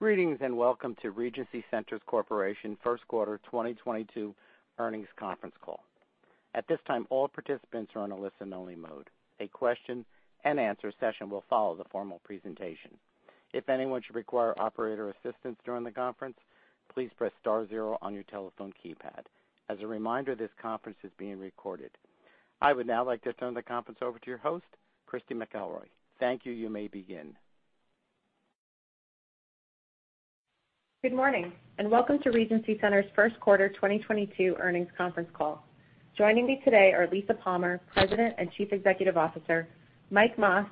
Greetings, and welcome to Regency Centers Corporation first quarter 2022 earnings conference call. At this time, all participants are on a listen-only mode. A question-and-answer session will follow the formal presentation. If anyone should require operator assistance during the conference, please press star zero on your telephone keypad. As a reminder, this conference is being recorded. I would now like to turn the conference over to your host, Christy McElroy. Thank you. You may begin. Good morning, and welcome to Regency Centers first quarter 2022 earnings conference call. Joining me today are Lisa Palmer, President and Chief Executive Officer, Mike Mas,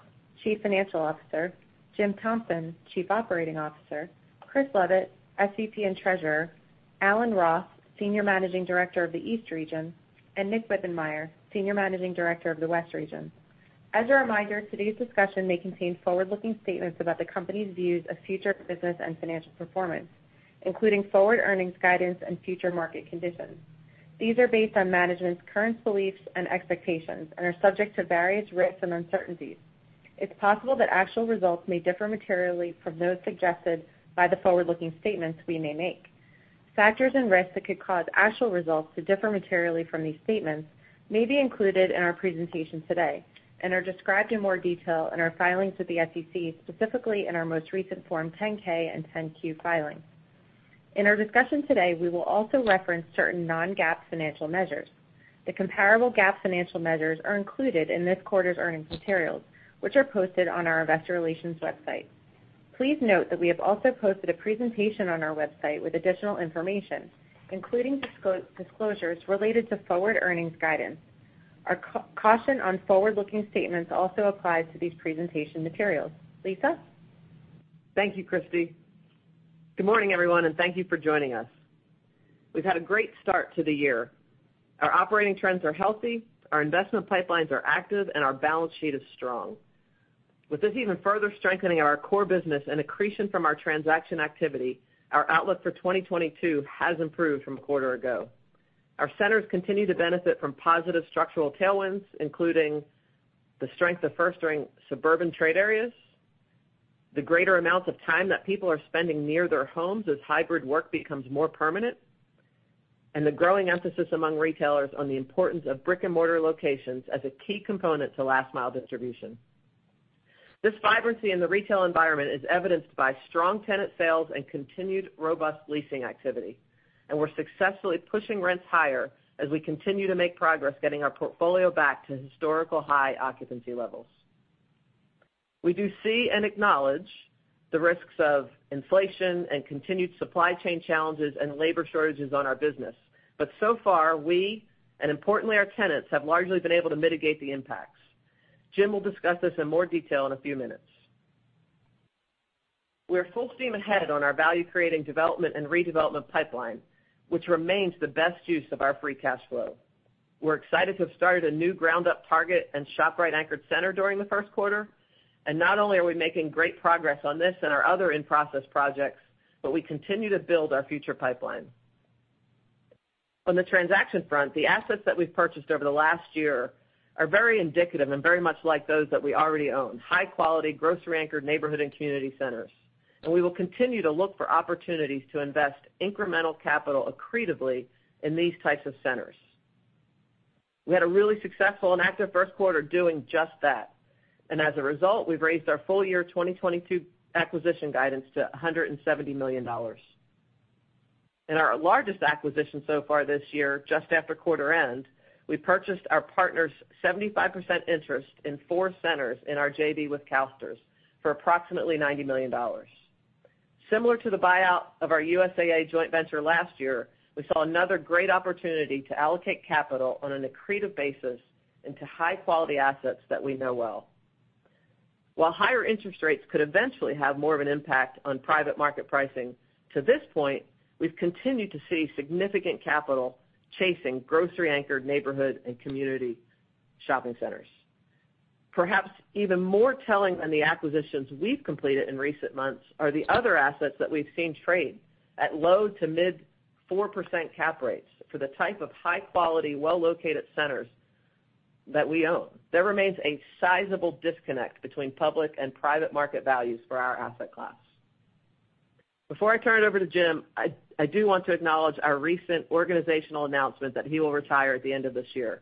Chief Financial Officer, Jim Thompson, Chief Operating Officer, Chris Leavitt, SVP and Treasurer, Alan Roth, Senior Managing Director of the East Region, and Nick Wibbenmeyer, Senior Managing Director of the West Region. As a reminder, today's discussion may contain forward-looking statements about the company's views of future business and financial performance, including forward earnings guidance and future market conditions. These are based on management's current beliefs and expectations and are subject to various risks and uncertainties. It's possible that actual results may differ materially from those suggested by the forward-looking statements we may make. Factors and risks that could cause actual results to differ materially from these statements may be included in our presentation today and are described in more detail in our filings with the SEC, specifically in our most recent Form 10-K and 10-Q filings. In our discussion today, we will also reference certain non-GAAP financial measures. The comparable GAAP financial measures are included in this quarter's earnings materials, which are posted on our investor relations website. Please note that we have also posted a presentation on our website with additional information, including disclosures related to forward earnings guidance. Our caution on forward-looking statements also applies to these presentation materials. Lisa? Thank you, Christy. Good morning, everyone, and thank you for joining us. We've had a great start to the year. Our operating trends are healthy, our investment pipelines are active, and our balance sheet is strong. With this even further strengthening our core business and accretion from our transaction activity, our outlook for 2022 has improved from a quarter ago. Our centers continue to benefit from positive structural tailwinds, including the strength of first-ring suburban trade areas, the greater amounts of time that people are spending near their homes as hybrid work becomes more permanent, and the growing emphasis among retailers on the importance of brick-and-mortar locations as a key component to last mile distribution. This vibrancy in the retail environment is evidenced by strong tenant sales and continued robust leasing activity, and we're successfully pushing rents higher as we continue to make progress getting our portfolio back to historical high occupancy levels. We do see and acknowledge the risks of inflation and continued supply chain challenges and labor shortages on our business. So far, we, and importantly our tenants, have largely been able to mitigate the impacts. Jim will discuss this in more detail in a few minutes. We're full steam ahead on our value-creating development and redevelopment pipeline, which remains the best use of our free cash flow. We're excited to have started a new ground-up Target and ShopRite anchored center during the first quarter. Not only are we making great progress on this and our other in-process projects, but we continue to build our future pipeline. On the transaction front, the assets that we've purchased over the last year are very indicative and very much like those that we already own, high-quality, grocery-anchored neighborhood and community centers. We will continue to look for opportunities to invest incremental capital accretively in these types of centers. We had a really successful and active first quarter doing just that. As a result, we've raised our full-year 2022 acquisition guidance to $170 million. In our largest acquisition so far this year, just after quarter end, we purchased our partner's 75% interest in four centers in our JV with CalSTRS for approximately $90 million. Similar to the buyout of our USAA joint venture last year, we saw another great opportunity to allocate capital on an accretive basis into high-quality assets that we know well. While higher interest rates could eventually have more of an impact on private market pricing, to this point, we've continued to see significant capital chasing grocery-anchored neighborhood and community shopping centers. Perhaps even more telling than the acquisitions we've completed in recent months are the other assets that we've seen trade at low- to mid-4% cap rates for the type of high-quality, well-located centers that we own. There remains a sizable disconnect between public and private market values for our asset class. Before I turn it over to Jim, I do want to acknowledge our recent organizational announcement that he will retire at the end of this year.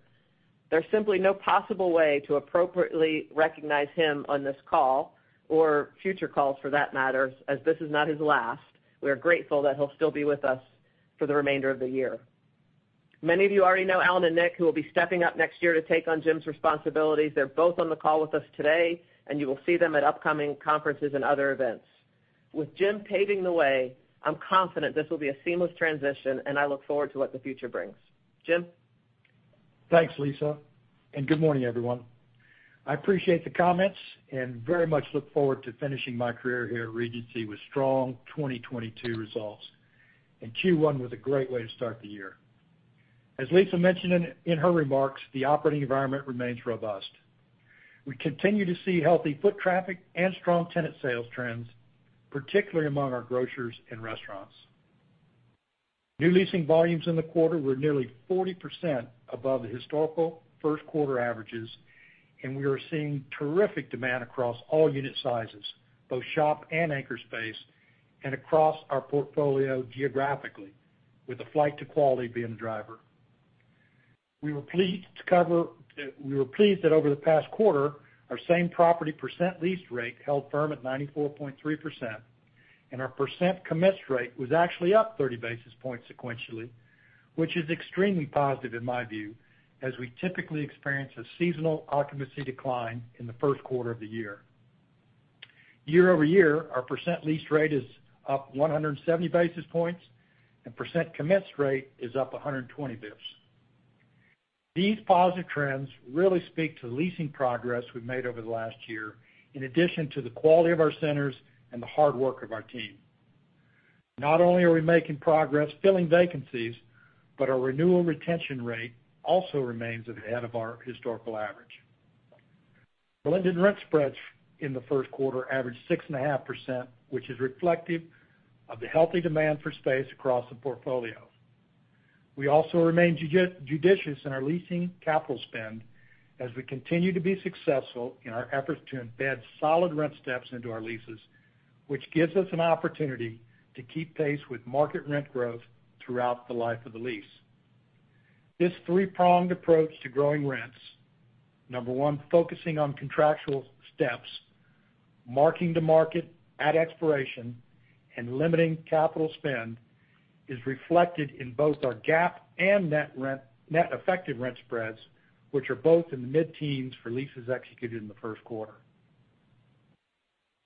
There's simply no possible way to appropriately recognize him on this call or future calls for that matter, as this is not his last. We are grateful that he'll still be with us for the remainder of the year. Many of you already know Alan and Nick, who will be stepping up next year to take on Jim's responsibilities. They're both on the call with us today, and you will see them at upcoming conferences and other events. With Jim paving the way, I'm confident this will be a seamless transition, and I look forward to what the future brings. Jim? Thanks, Lisa, and good morning, everyone. I appreciate the comments and very much look forward to finishing my career here at Regency with strong 2022 results, and Q1 was a great way to start the year. As Lisa mentioned in her remarks, the operating environment remains robust. We continue to see healthy foot traffic and strong tenant sales trends, particularly among our grocers and restaurants. New leasing volumes in the quarter were nearly 40% above the historical first quarter averages, and we are seeing terrific demand across all unit sizes, both shop and anchor space, and across our portfolio geographically, with the flight to quality being the driver. We were pleased that over the past quarter, our same property percent leased rate held firm at 94.3%, and our percent commenced rate was actually up 30 basis points sequentially, which is extremely positive in my view, as we typically experience a seasonal occupancy decline in the first quarter of the year. Year-over-year, our percent leased rate is up 170 basis points, and percent commenced rate is up 120 basis points. These positive trends really speak to the leasing progress we've made over the last year in addition to the quality of our centers and the hard work of our team. Not only are we making progress filling vacancies, but our renewal retention rate also remains ahead of our historical average. Blended rent spreads in the first quarter averaged 6.5%, which is reflective of the healthy demand for space across the portfolio. We also remain judicious in our leasing capital spend as we continue to be successful in our efforts to embed solid rent steps into our leases, which gives us an opportunity to keep pace with market rent growth throughout the life of the lease. This three-pronged approach to growing rents, number one, focusing on contractual steps, marking the market at expiration, and limiting capital spend, is reflected in both our GAAP and net effective rent spreads, which are both in the mid-teens for leases executed in the first quarter.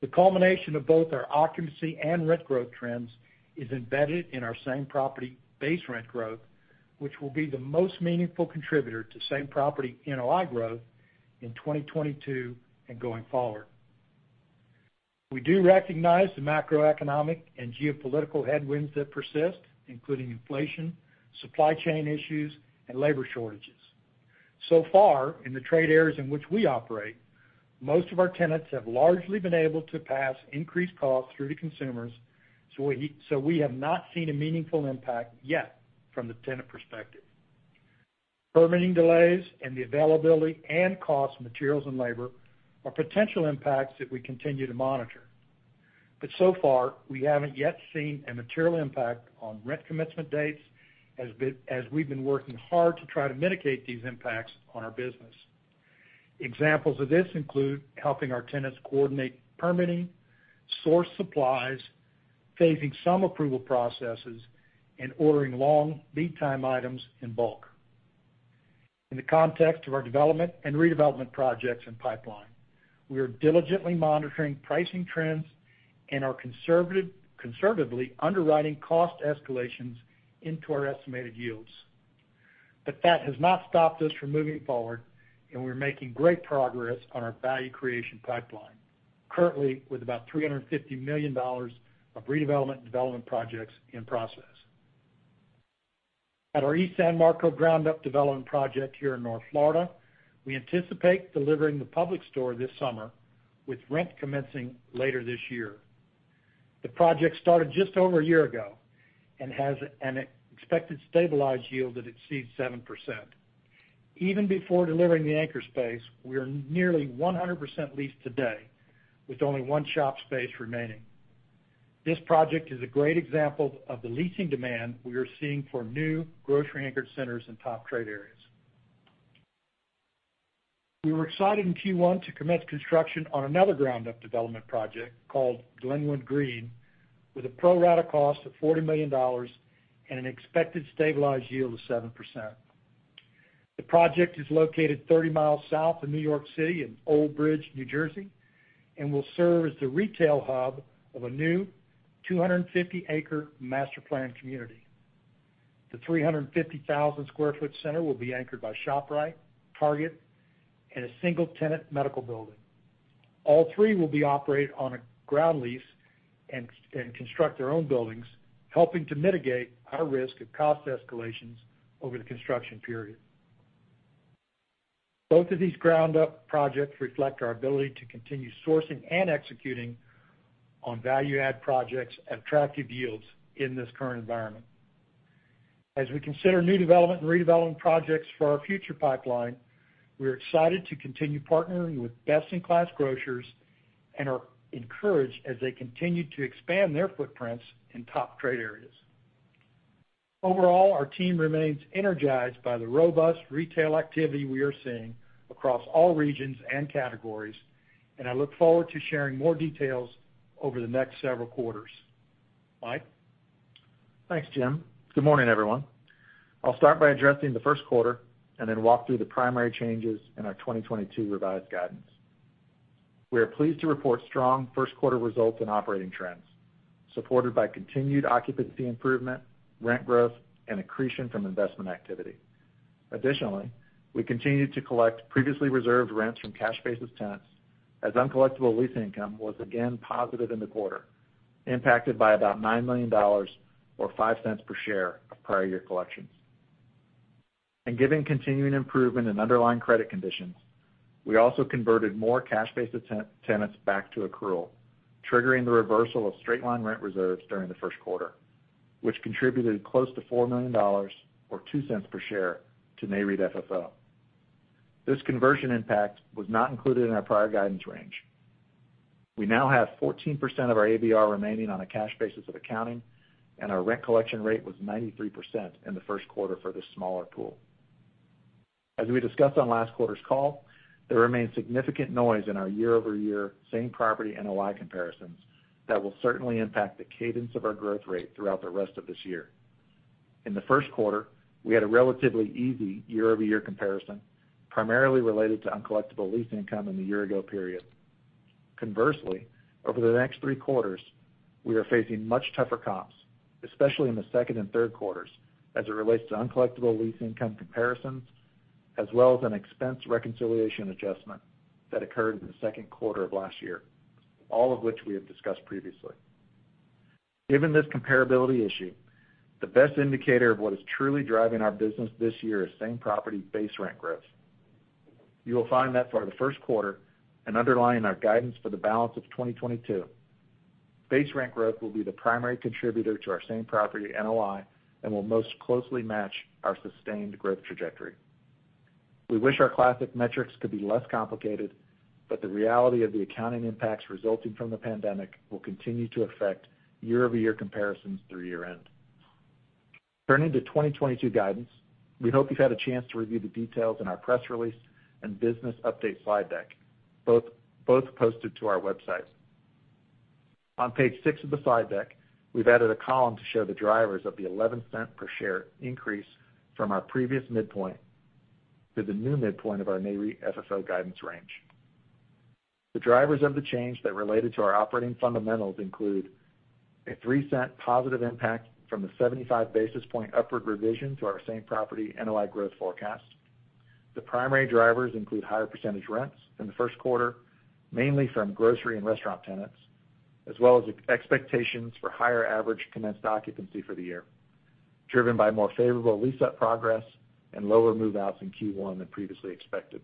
The culmination of both our occupancy and rent growth trends is embedded in our same-property base rent growth, which will be the most meaningful contributor to same-property NOI growth in 2022 and going forward. We do recognize the macroeconomic and geopolitical headwinds that persist, including inflation, supply chain issues, and labor shortages. So far, in the trade areas in which we operate, most of our tenants have largely been able to pass increased costs through to consumers, so we have not seen a meaningful impact yet from the tenant perspective. Permitting delays and the availability and cost of materials and labor are potential impacts that we continue to monitor. So far, we haven't yet seen a material impact on rent commencement dates, as we've been working hard to try to mitigate these impacts on our business. Examples of this include helping our tenants coordinate permitting, source supplies, phasing some approval processes, and ordering long lead time items in bulk. In the context of our development and redevelopment projects and pipeline, we are diligently monitoring pricing trends and are conservatively underwriting cost escalations into our estimated yields. That has not stopped us from moving forward, and we're making great progress on our value creation pipeline, currently with about $350 million of redevelopment and development projects in process. At our East San Marco ground-up development project here in North Florida, we anticipate delivering the Publix store this summer with rent commencing later this year. The project started just over a year ago and has an expected stabilized yield that exceeds 7%. Even before delivering the anchor space, we are nearly 100% leased today with only one shop space remaining. This project is a great example of the leasing demand we are seeing for new grocery-anchored centers in top trade areas. We were excited in Q1 to commence construction on another ground-up development project called Glenwood Green with a pro rata cost of $40 million and an expected stabilized yield of 7%. The project is located 30 mi south of New York City in Old Bridge, New Jersey, and will serve as the retail hub of a new 250-acre master-planned community. The 350,000 sq ft center will be anchored by ShopRite, Target, and a single-tenant medical building. All three will be operated on a ground lease and construct their own buildings, helping to mitigate our risk of cost escalations over the construction period. Both of these ground-up projects reflect our ability to continue sourcing and executing on value add projects at attractive yields in this current environment. As we consider new development and redevelopment projects for our future pipeline, we are excited to continue partnering with best-in-class grocers and are encouraged as they continue to expand their footprints in top trade areas. Overall, our team remains energized by the robust retail activity we are seeing across all regions and categories, and I look forward to sharing more details over the next several quarters. Mike? Thanks, Jim. Good morning, everyone. I'll start by addressing the first quarter and then walk through the primary changes in our 2022 revised guidance. We are pleased to report strong first quarter results and operating trends, supported by continued occupancy improvement, rent growth, and accretion from investment activity. Additionally, we continued to collect previously reserved rents from cash basis tenants as uncollectible lease income was again positive in the quarter, impacted by about $9 million or 5 cents per share of prior year collections. Given continuing improvement in underlying credit conditions, we also converted more cash-based tenants back to accrual, triggering the reversal of straight-line rent reserves during the first quarter, which contributed close to $4 million or 2 cents per share to Nareit FFO. This conversion impact was not included in our prior guidance range. We now have 14% of our ABR remaining on a cash basis of accounting, and our rent collection rate was 93% in the first quarter for this smaller pool. As we discussed on last quarter's call, there remains significant noise in our year-over-year same property NOI comparisons that will certainly impact the cadence of our growth rate throughout the rest of this year. In the first quarter, we had a relatively easy year-over-year comparison, primarily related to uncollectible lease income in the year ago period. Conversely, over the next three quarters, we are facing much tougher comps, especially in the second and third quarters, as it relates to uncollectible lease income comparisons, as well as an expense reconciliation adjustment that occurred in the second quarter of last year, all of which we have discussed previously. Given this comparability issue, the best indicator of what is truly driving our business this year is same property base rent growth. You will find that for the first quarter and underlying our guidance for the balance of 2022, base rent growth will be the primary contributor to our same property NOI and will most closely match our sustained growth trajectory. We wish our classic metrics could be less complicated, but the reality of the accounting impacts resulting from the pandemic will continue to affect year-over-year comparisons through year-end. Turning to 2022 guidance, we hope you've had a chance to review the details in our press release and business update slide deck, both posted to our website. On page six of the slide deck, we've added a column to show the drivers of the $0.11 per share increase from our previous midpoint to the new midpoint of our Nareit FFO guidance range. The drivers of the change that related to our operating fundamentals include a $0.03 positive impact from the 75 basis points upward revision to our same property NOI growth forecast. The primary drivers include higher percentage rents in the first quarter, mainly from grocery and restaurant tenants, as well as expectations for higher average commenced occupancy for the year, driven by more favorable lease-up progress and lower move outs in Q1 than previously expected.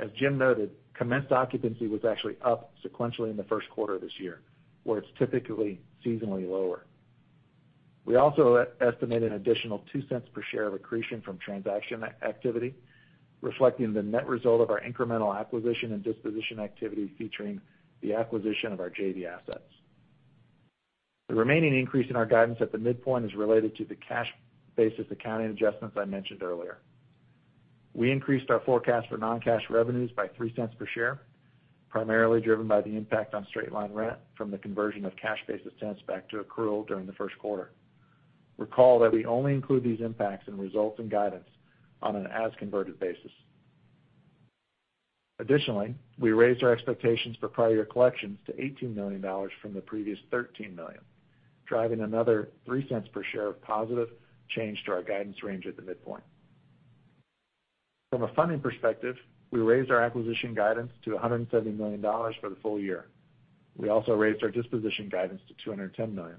As Jim noted, commenced occupancy was actually up sequentially in the first quarter of this year, where it's typically seasonally lower. We also estimated an additional 2 cents per share of accretion from transaction activity, reflecting the net result of our incremental acquisition and disposition activity featuring the acquisition of our JV assets. The remaining increase in our guidance at the midpoint is related to the cash basis accounting adjustments I mentioned earlier. We increased our forecast for non-cash revenues by 3 cents per share, primarily driven by the impact on straight line rent from the conversion of cash basis tenants back to accrual during the first quarter. Recall that we only include these impacts in results and guidance on an as converted basis. Additionally, we raised our expectations for prior collections to $18 million from the previous $13 million, driving another 3 cents per share of positive change to our guidance range at the midpoint. From a funding perspective, we raised our acquisition guidance to $170 million for the full year. We also raised our disposition guidance to $210 million.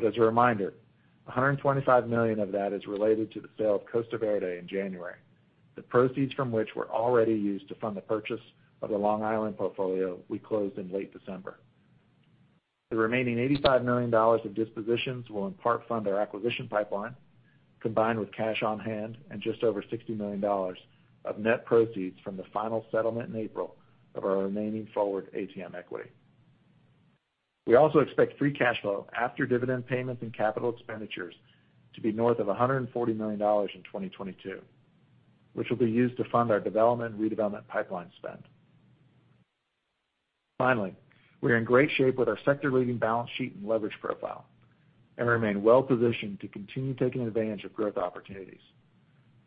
As a reminder, $125 million of that is related to the sale of Costa Verde in January, the proceeds from which were already used to fund the purchase of the Long Island portfolio we closed in late December. The remaining $85 million of dispositions will in part fund our acquisition pipeline, combined with cash on hand and just over $60 million of net proceeds from the final settlement in April of our remaining forward ATM equity. We also expect free cash flow after dividend payments and capital expenditures to be north of $140 million in 2022, which will be used to fund our development, redevelopment pipeline spend. Finally, we're in great shape with our sector leading balance sheet and leverage profile, and remain well positioned to continue taking advantage of growth opportunities.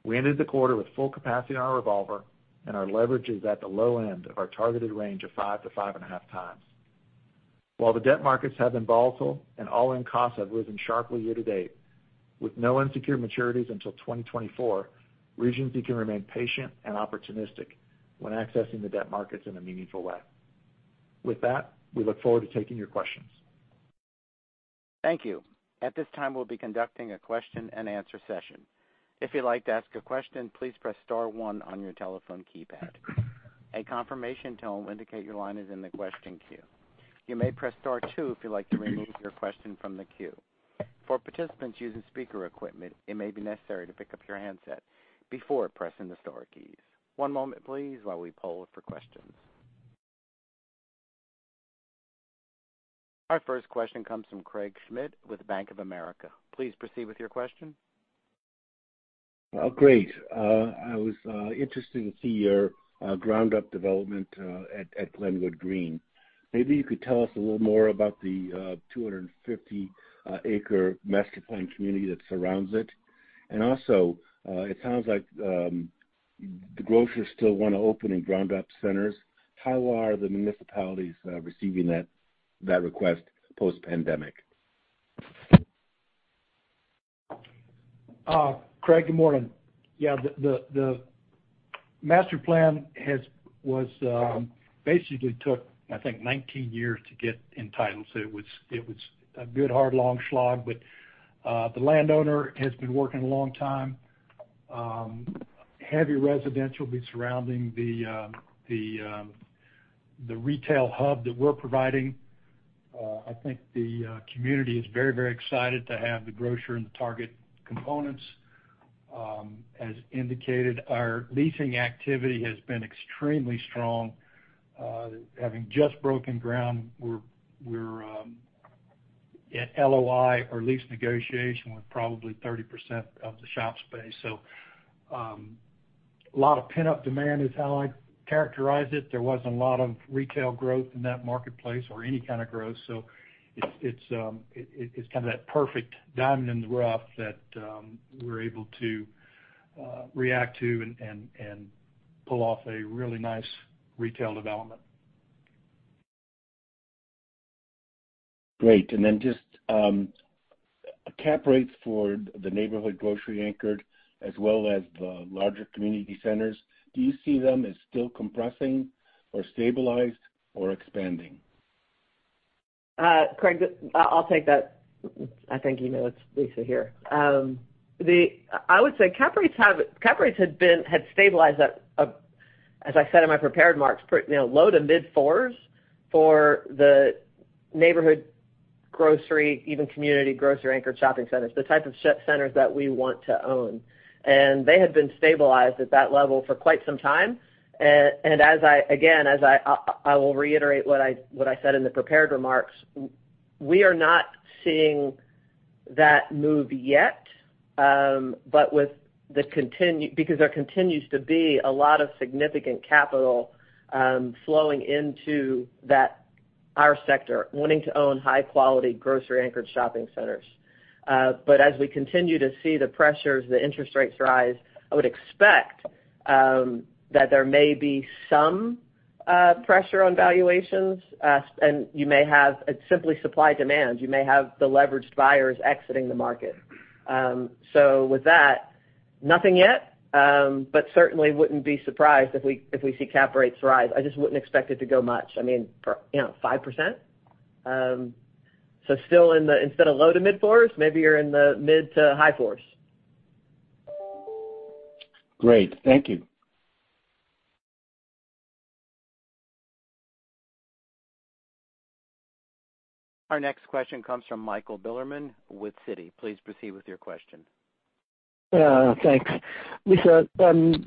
We ended the quarter with full capacity on our revolver, and our leverage is at the low end of our targeted range of 5x-5.5x. While the debt markets have been volatile and all-in costs have risen sharply year-to-date, with no unsecured maturities until 2024, Regency can remain patient and opportunistic when accessing the debt markets in a meaningful way. With that, we look forward to taking your questions. Thank you. At this time, we'll be conducting a question-and-answer session. If you'd like to ask a question, please press star one on your telephone keypad. A confirmation tone will indicate your line is in the question queue. You may press star two if you'd like to remove your question from the queue. For participants using speaker equipment, it may be necessary to pick up your handset before pressing the star keys. One moment please, while we poll for questions. Our first question comes from Craig Schmidt with Bank of America. Please proceed with your question. Great. I was interested to see your ground up development at Glenwood Green. Maybe you could tell us a little more about the 250-acre master planned community that surrounds it. Also, it sounds like the grocers still want to open in ground up centers. How are the municipalities receiving that request post-pandemic? Craig, good morning. Master plan basically took, I think, 19 years to get entitled. It was a good, hard, long slog. The landowner has been working a long time. Heavy residential will be surrounding the retail hub that we're providing. I think the community is very excited to have the grocer and the Target components. As indicated, our leasing activity has been extremely strong. Having just broken ground, we're at LOI or lease negotiation with probably 30% of the shop space. A lot of pent-up demand is how I'd characterize it. There wasn't a lot of retail growth in that marketplace or any kind of growth. It's kind of that perfect diamond in the rough that we're able to react to and pull off a really nice retail development. Great. Just cap rates for the neighborhood grocery anchored as well as the larger community centers, do you see them as still compressing or stabilized or expanding? Craig, I'll take that. I think you know it's Lisa here. I would say cap rates had been stabilized at, as I said in my prepared remarks, you know, low to mid fours for the neighborhood grocery, even community grocery anchored shopping centers, the type of shopping centers that we want to own. They had been stabilized at that level for quite some time. As I again will reiterate what I said in the prepared remarks, we are not seeing that move yet, but because there continues to be a lot of significant capital flowing into that, our sector, wanting to own high quality grocery anchored shopping centers. As we continue to see the pressures, the interest rates rise, I would expect that there may be some pressure on valuations, and you may have the leveraged buyers exiting the market. It's simply supply and demand. With that, nothing yet, certainly wouldn't be surprised if we see cap rates rise. I just wouldn't expect it to go much. I mean, you know, 5%. Still in the fours instead of low to mid fours, maybe you're in the mid to high fours. Great. Thank you. Our next question comes from Michael Bilerman with Citi. Please proceed with your question. Thanks. Lisa, you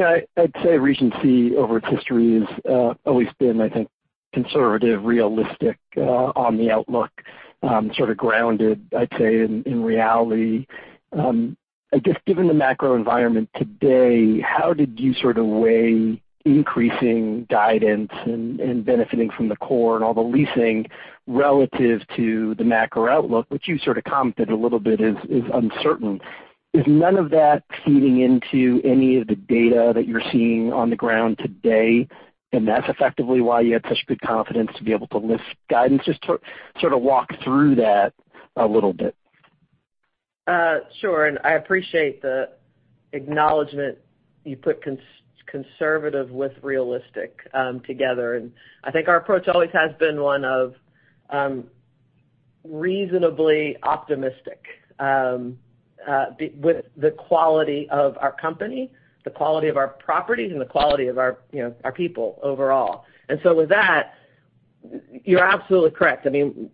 know, I'd say Regency over its history has always been, I think, conservative, realistic, on the outlook, sort of grounded, I'd say, in reality. I guess given the macro environment today, how did you sort of weigh increasing guidance and benefiting from the core and all the leasing relative to the macro outlook, which you sort of commented a little bit is uncertain? Is none of that feeding into any of the data that you're seeing on the ground today, and that's effectively why you had such good confidence to be able to lift guidance? Just sort of walk through that a little bit. Sure. I appreciate the acknowledgment. You put conservative with realistic together. I think our approach always has been one of reasonably optimistic with the quality of our company, the quality of our properties, and the quality of our you know our people overall. With that, you're absolutely correct. I mean,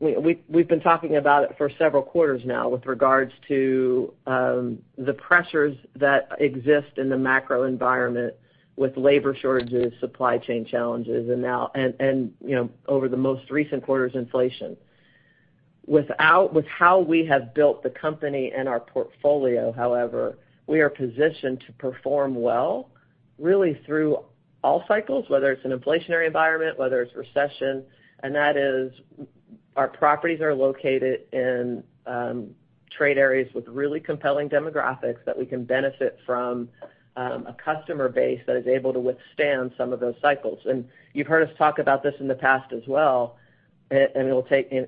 we've been talking about it for several quarters now with regards to the pressures that exist in the macro environment with labor shortages, supply chain challenges, and now you know over the most recent quarters, inflation. With how we have built the company and our portfolio, however, we are positioned to perform well really through all cycles, whether it's an inflationary environment, whether it's recession, and that is our properties are located in trade areas with really compelling demographics that we can benefit from, a customer base that is able to withstand some of those cycles. You've heard us talk about this in the past as well. In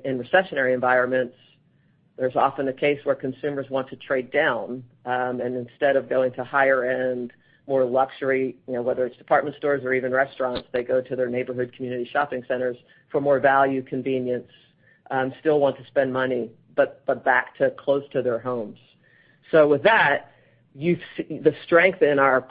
recessionary environments, there's often a case where consumers want to trade down, and instead of going to higher end, more luxury, you know, whether it's department stores or even restaurants, they go to their neighborhood community shopping centers for more value, convenience, still want to spend money, but back to close to their homes. With that, you've seen the strength in our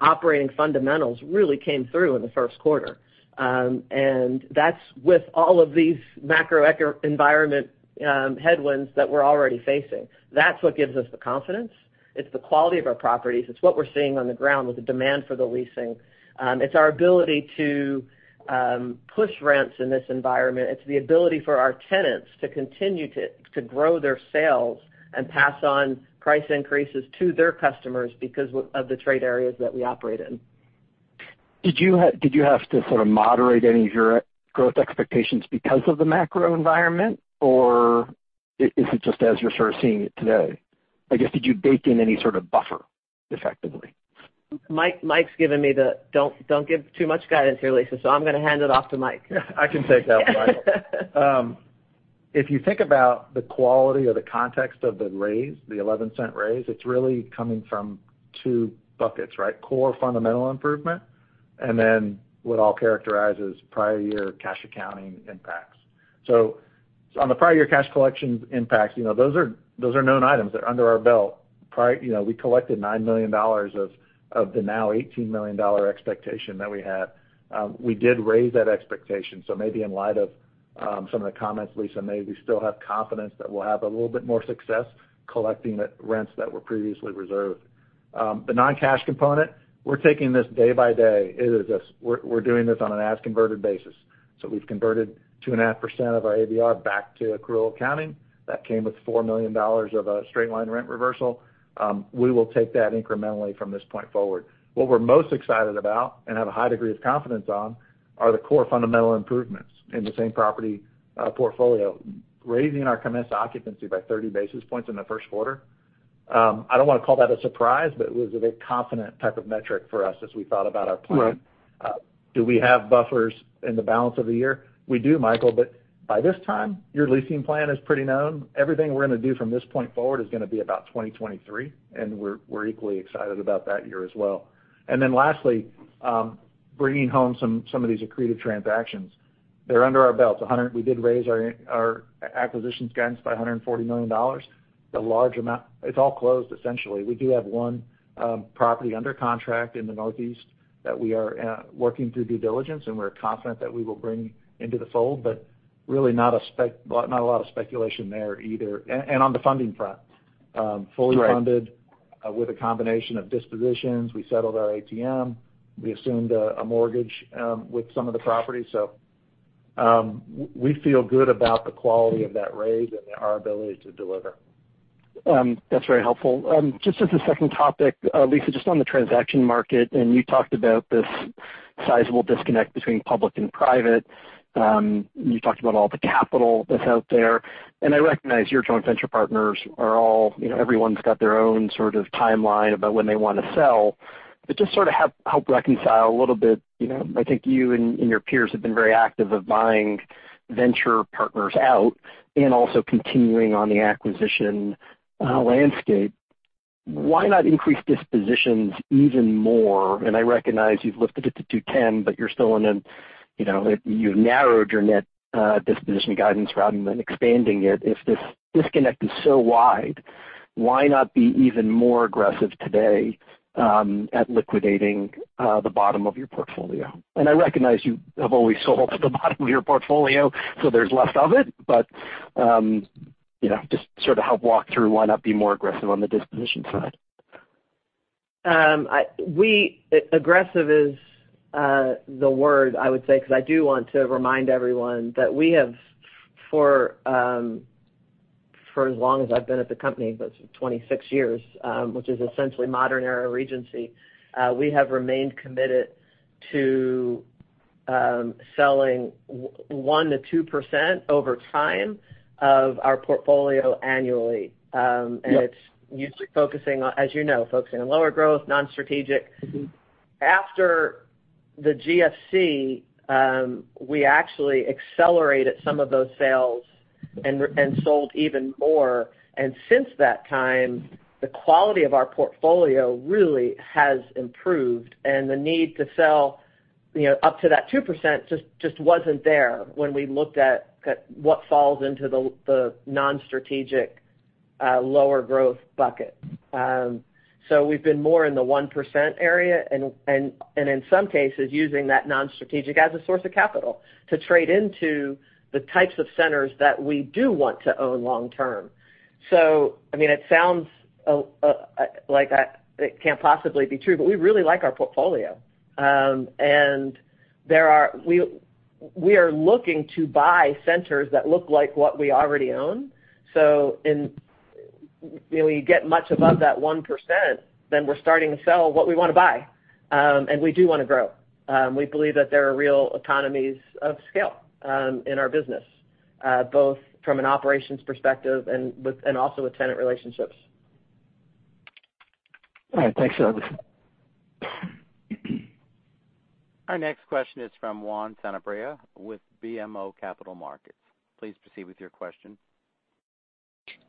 operating fundamentals really came through in the first quarter. That's with all of these macroeconomic environment headwinds that we're already facing. That's what gives us the confidence. It's the quality of our properties. It's what we're seeing on the ground with the demand for the leasing. It's our ability to push rents in this environment. It's the ability for our tenants to continue to grow their sales and pass on price increases to their customers because of the trade areas that we operate in. Did you have to sort of moderate any of your growth expectations because of the macro environment, or is it just as you're sort of seeing it today? I guess, did you bake in any sort of buffer effectively? Mike's given me the, "Don't give too much guidance here, Lisa." I'm gonna hand it off to Mike. Yeah, I can take that one. If you think about the quality or the context of the raise, the $0.11 raise, it's really coming from two buckets, right? Core fundamental improvement, and then what all characterize as prior year cash accounting impacts. On the prior year cash collections impact, you know, those are known items. They're under our belt. You know, we collected $9 million of the now $18 million expectation that we had. We did raise that expectation. Maybe in light of some of the comments Lisa made, we still have confidence that we'll have a little bit more success collecting the rents that were previously reserved. The non-cash component, we're taking this day by day. It is just. We're doing this on an as converted basis. We've converted 2.5% of our ABR back to accrual accounting. That came with $4 million of straight line rent reversal. We will take that incrementally from this point forward. What we're most excited about and have a high degree of confidence on are the core fundamental improvements in the same property portfolio. Raising our commenced occupancy by 30 basis points in the first quarter. I don't wanna call that a surprise, but it was a very confident type of metric for us as we thought about our plan. Right. Do we have buffers in the balance of the year? We do, Michael, but by this time, your leasing plan is pretty known. Everything we're gonna do from this point forward is gonna be about 2023, and we're equally excited about that year as well. Lastly, bringing home some of these accretive transactions. They're under our belt. We did raise our acquisitions guidance by $140 million, a large amount. It's all closed, essentially. We do have one property under contract in the Northeast that we are working through due diligence, and we're confident that we will bring into the fold, but really not a lot of speculation there either. On the funding front, Right. Fully funded with a combination of dispositions. We settled our ATM. We assumed a mortgage with some of the properties. We feel good about the quality of that raise and our ability to deliver. That's very helpful. Just as a second topic, Lisa, just on the transaction market, and you talked about this sizable disconnect between public and private. You talked about all the capital that's out there, and I recognize your joint venture partners are all, you know, everyone's got their own sort of timeline about when they wanna sell. Just sort of help reconcile a little bit, you know, I think you and your peers have been very active in buying venture partners out and also continuing in the acquisition landscape. Why not increase dispositions even more? I recognize you've lifted it to $210 million, but you're still in an, you know. You've narrowed your net disposition guidance rather than expanding it. If this disconnect is so wide, why not be even more aggressive today at liquidating the bottom of your portfolio? I recognize you have only sold the bottom of your portfolio, so there's less of it. You know, just sort of help walk through why not be more aggressive on the disposition side. Aggressive is the word I would say, because I do want to remind everyone that we have, for as long as I've been at the company, that's 26 years, which is essentially modern era Regency, we have remained committed to selling 1%-2% over time of our portfolio annually. Yep. It's usually focusing on, as you know, focusing on lower growth, non-strategic. After the GFC, we actually accelerated some of those sales and sold even more. Since that time, the quality of our portfolio really has improved, and the need to sell up to that 2% just wasn't there when we looked at what falls into the non-strategic lower growth bucket. We've been more in the 1% area and in some cases, using that non-strategic as a source of capital to trade into the types of centers that we do want to own long-term. I mean, it sounds like it can't possibly be true, but we really like our portfolio. We are looking to buy centers that look like what we already own. When we get much above that 1%, then we're starting to sell what we wanna buy, and we do wanna grow. We believe that there are real economies of scale in our business, both from an operations perspective and also with tenant relationships. All right. Thanks a lot, Lisa. Our next question is from Juan Sanabria with BMO Capital Markets. Please proceed with your question.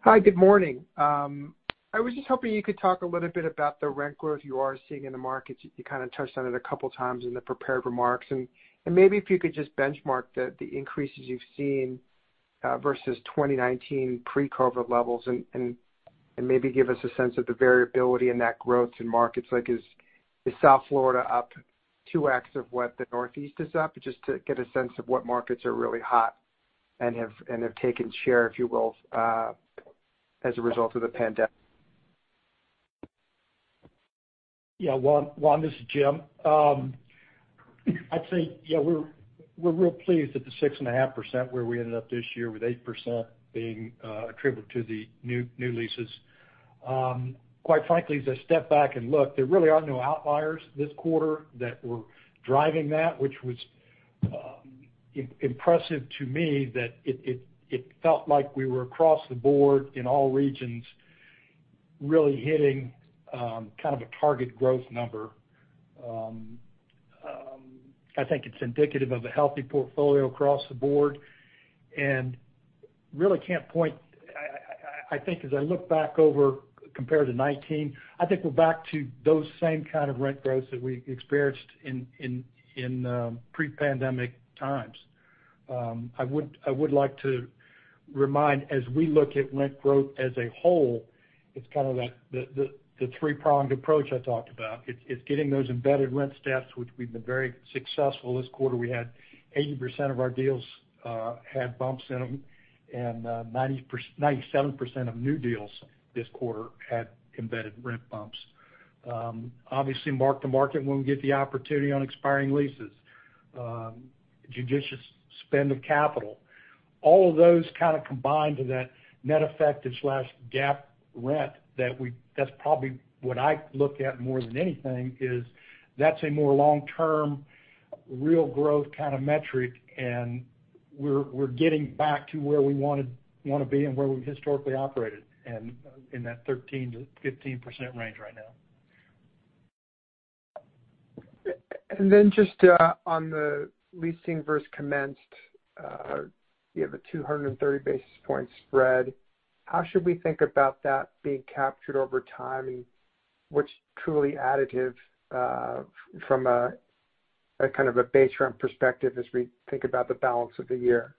Hi, good morning. I was just hoping you could talk a little bit about the rent growth you are seeing in the markets. You kind of touched on it a couple of times in the prepared remarks, and maybe if you could just benchmark the increases you've seen versus 2019 pre-COVID levels and maybe give us a sense of the variability in that growth in markets. Like, is South Florida up 2x of what the Northeast is up? Just to get a sense of what markets are really hot and have taken share, if you will, as a result of the pande- Yeah. Juan, this is Jim. I'd say, yeah, we're real pleased that the 6.5% where we ended up this year with 8% being attributed to the new leases. Quite frankly, as I step back and look, there really are no outliers this quarter that were driving that, which was impressive to me that it felt like we were across the board in all regions really hitting kind of a target growth number. I think it's indicative of a healthy portfolio across the board, and really can't point. I think as I look back over compared to 2019, I think we're back to those same kind of rent growths that we experienced in pre-pandemic times. I would like to remind, as we look at rent growth as a whole, it's kind of that the three-pronged approach I talked about. It's getting those embedded rent steps, which we've been very successful. This quarter, we had 80% of our deals had bumps in them, and 97% of new deals this quarter had embedded rent bumps. Obviously mark-to-market when we get the opportunity on expiring leases. Judicious spend of capital. All of those kind of combine to that net effective slash GAAP rent that's probably what I look at more than anything, is that's a more long-term real growth kind of metric, and we're getting back to where we wanna be and where we've historically operated and in that 13%-15% range right now. Just on the leasing versus commenced, you have a 230 basis point spread. How should we think about that being captured over time, and what's truly additive from a kind of base rent perspective as we think about the balance of the year?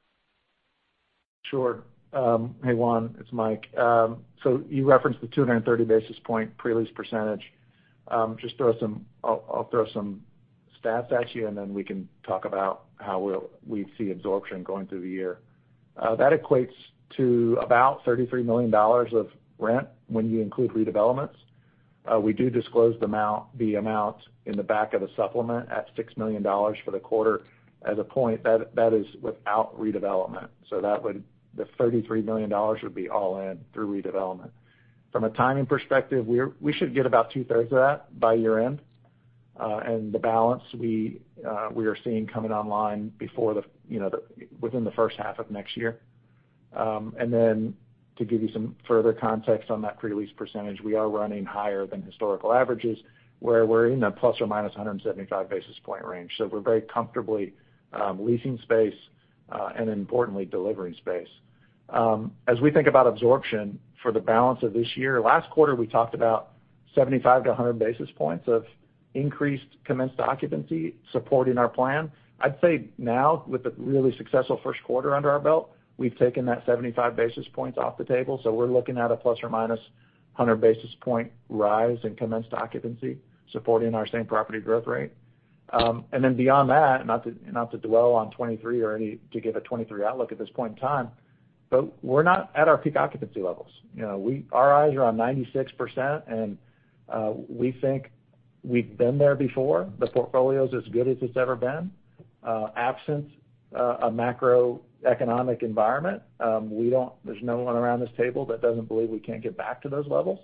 Sure. Hey, Juan, it's Mike. You referenced the 230 basis point pre-lease percentage. I'll throw some stats at you, and then we can talk about how we see absorption going through the year. That equates to about $33 million of rent when you include redevelopments. We do disclose the amount in the back of a supplement at $6 million for the quarter. As a point, that is without redevelopment. The $33 million would be all in through redevelopment. From a timing perspective, we should get about 2/3 of that by year-end. The balance we are seeing coming online before, you know, within the first half of next year. To give you some further context on that pre-lease percentage, we are running higher than historical averages, where we're in a ±175 basis point range. We're very comfortably leasing space, and importantly, delivering space. As we think about absorption for the balance of this year, last quarter, we talked about 75-100 basis points of increased commenced occupancy supporting our plan. I'd say now, with a really successful first quarter under our belt, we've taken that 75 basis points off the table, so we're looking at a ±100 basis point rise in commenced occupancy, supporting our same property growth rate. Beyond that, not to dwell on 2023 or anything to give a 2023 outlook at this point in time, but we're not at our peak occupancy levels. You know, our eyes are on 96%, and we think we've been there before. The portfolio's as good as it's ever been. Absent a macroeconomic environment, there's no one around this table that doesn't believe we can't get back to those levels.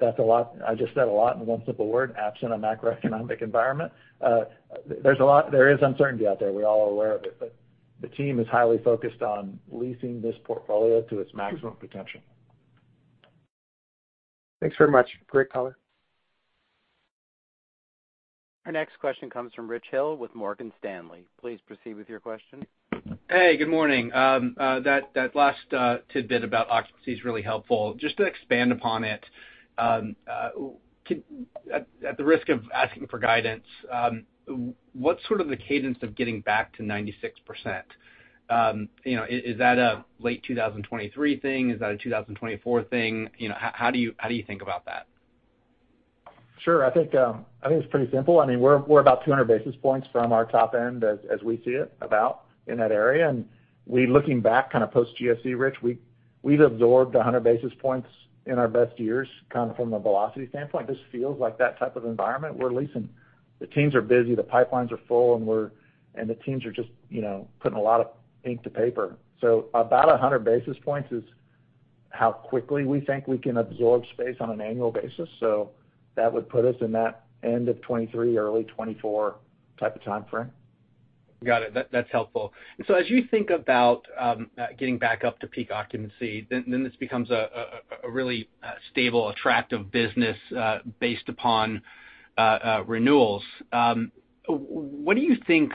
That's a lot. I just said a lot in one simple word, absent a macroeconomic environment. There's a lot. There is uncertainty out there. We're all aware of it, but the team is highly focused on leasing this portfolio to its maximum potential. Thanks very much. Great color. Our next question comes from Richard Hill with Morgan Stanley. Please proceed with your question. Hey, good morning. That last tidbit about occupancy is really helpful. Just to expand upon it, at the risk of asking for guidance, what's sort of the cadence of getting back to 96%? You know, is that a late 2023 thing? Is that a 2024 thing? You know, how do you think about that? Sure. I think I think it's pretty simple. I mean, we're about 200 basis points from our top end as we see it, about in that area. Looking back kind of post-GFC, Rich, we've absorbed 100 basis points in our best years, kind of from a velocity standpoint. This feels like that type of environment. We're leasing. The teams are busy, the pipelines are full, and the teams are just, you know, putting a lot of ink to paper. About 100 basis points is how quickly we think we can absorb space on an annual basis. That would put us in that end of 2023, early 2024 type of timeframe. Got it. That’s helpful. As you think about getting back up to peak occupancy, then this becomes a really stable, attractive business based upon renewals. What do you think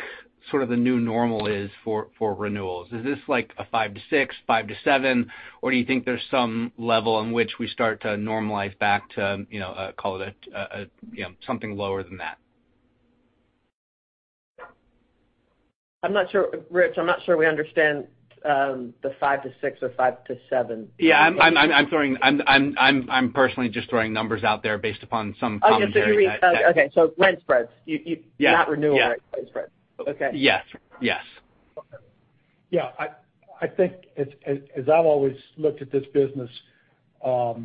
sort of the new normal is for renewals? Is this like a 5-6, 5-7, or do you think there’s some level in which we start to normalize back to, you know, call it a you know something lower than that? I'm not sure. Rich, I'm not sure we understand the 5-6 or 5-7. Yeah, I'm personally just throwing numbers out there based upon some commentary that Rent spreads. You Yeah. Not renewal rent spreads. Okay. Yes. Yes. Yeah. I think as I've always looked at this business, our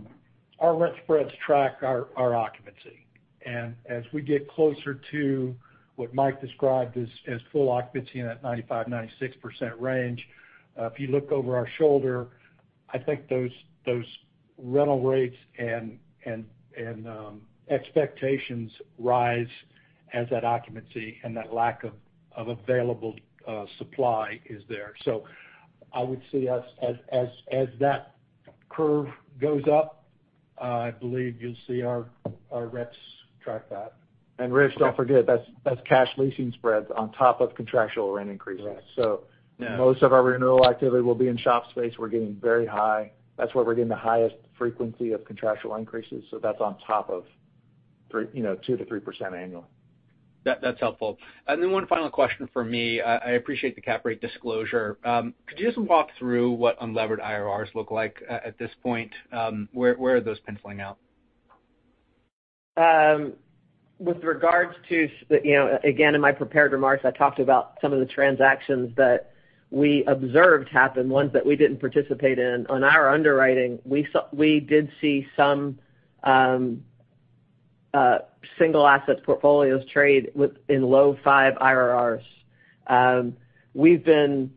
rent spreads track our occupancy. As we get closer to what Mike described as full occupancy in that 95%-96% range, if you look over our shoulder, I think those rental rates and expectations rise as that occupancy and that lack of available supply is there. I would see us as that curve goes up. I believe you'll see our reps track that. Rich, don't forget, that's cash leasing spreads on top of contractual rent increases. Right. Most of our renewal activity will be in shop space. We're getting very high. That's where we're getting the highest frequency of contractual increases. That's on top of three, you know, 2%-3% annually. That's helpful. One final question from me. I appreciate the cap rate disclosure. Could you just walk through what unlevered IRRs look like at this point? Where are those penciling out? With regards to, you know, again, in my prepared remarks, I talked about some of the transactions that we observed happen, ones that we didn't participate in. On our underwriting, we did see some single asset portfolios trade in low five IRRs. We were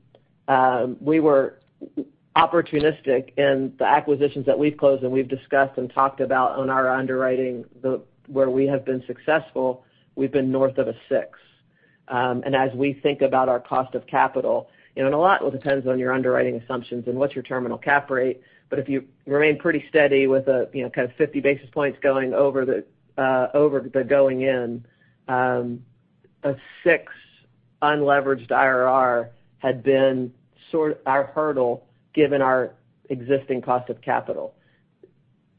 opportunistic in the acquisitions that we've closed, and we've discussed and talked about on our underwriting where we have been successful, we've been north of a six. As we think about our cost of capital, you know, and a lot will depends on your underwriting assumptions and what's your terminal cap rate. If you remain pretty steady with a, you know, kind of 50 basis points going over the going in, a six unleveraged IRR had been our hurdle given our existing cost of capital.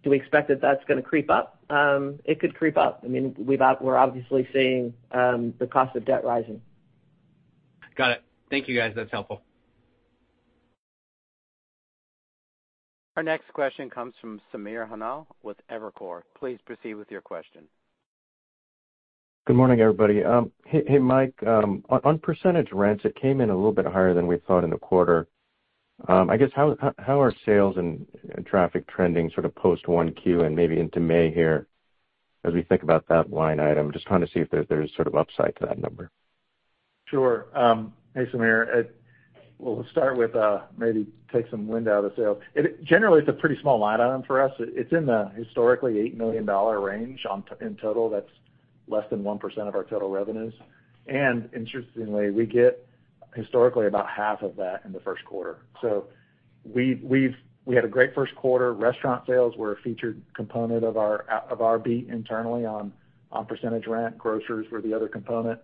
Do we expect that that's gonna creep up? It could creep up. I mean, we're obviously seeing the cost of debt rising. Got it. Thank you, guys. That's helpful. Our next question comes from Samir Khanal with Evercore. Please proceed with your question. Good morning, everybody. Hey, Mike, on percentage rents, it came in a little bit higher than we thought in the quarter. I guess how are sales and traffic trending sort of post-Q1 and maybe into May here as we think about that line item? Just trying to see if there's sort of upside to that number. Sure. Hey, Sameer. We'll start with maybe take some wind out of the sail. Generally, it's a pretty small line item for us. It's historically in the $8 million range in total, that's less than 1% of our total revenues. Interestingly, we get historically about half of that in the first quarter. We've had a great first quarter. Restaurant sales were a featured component of our beat internally on percentage rent. Groceries were the other component.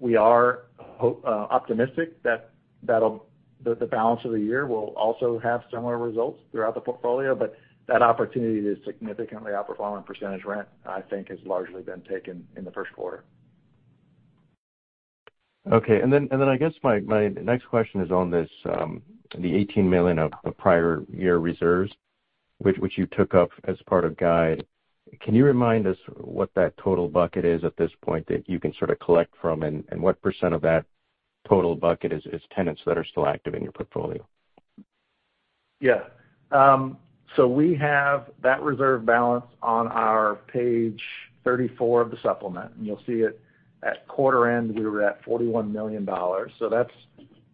We are optimistic that the balance of the year will also have similar results throughout the portfolio, but that opportunity to significantly outperform on percentage rent, I think, has largely been taken in the first quarter. Okay. I guess my next question is on this, the $18 million of prior year reserves, which you took up as part of guide. Can you remind us what that total bucket is at this point that you can sort of collect from, and what percentaqge of that total bucket is tenants that are still active in your portfolio? Yeah, we have that reserve balance on our page 34 of the supplement, and you'll see it at quarter-end. We were at $41 million.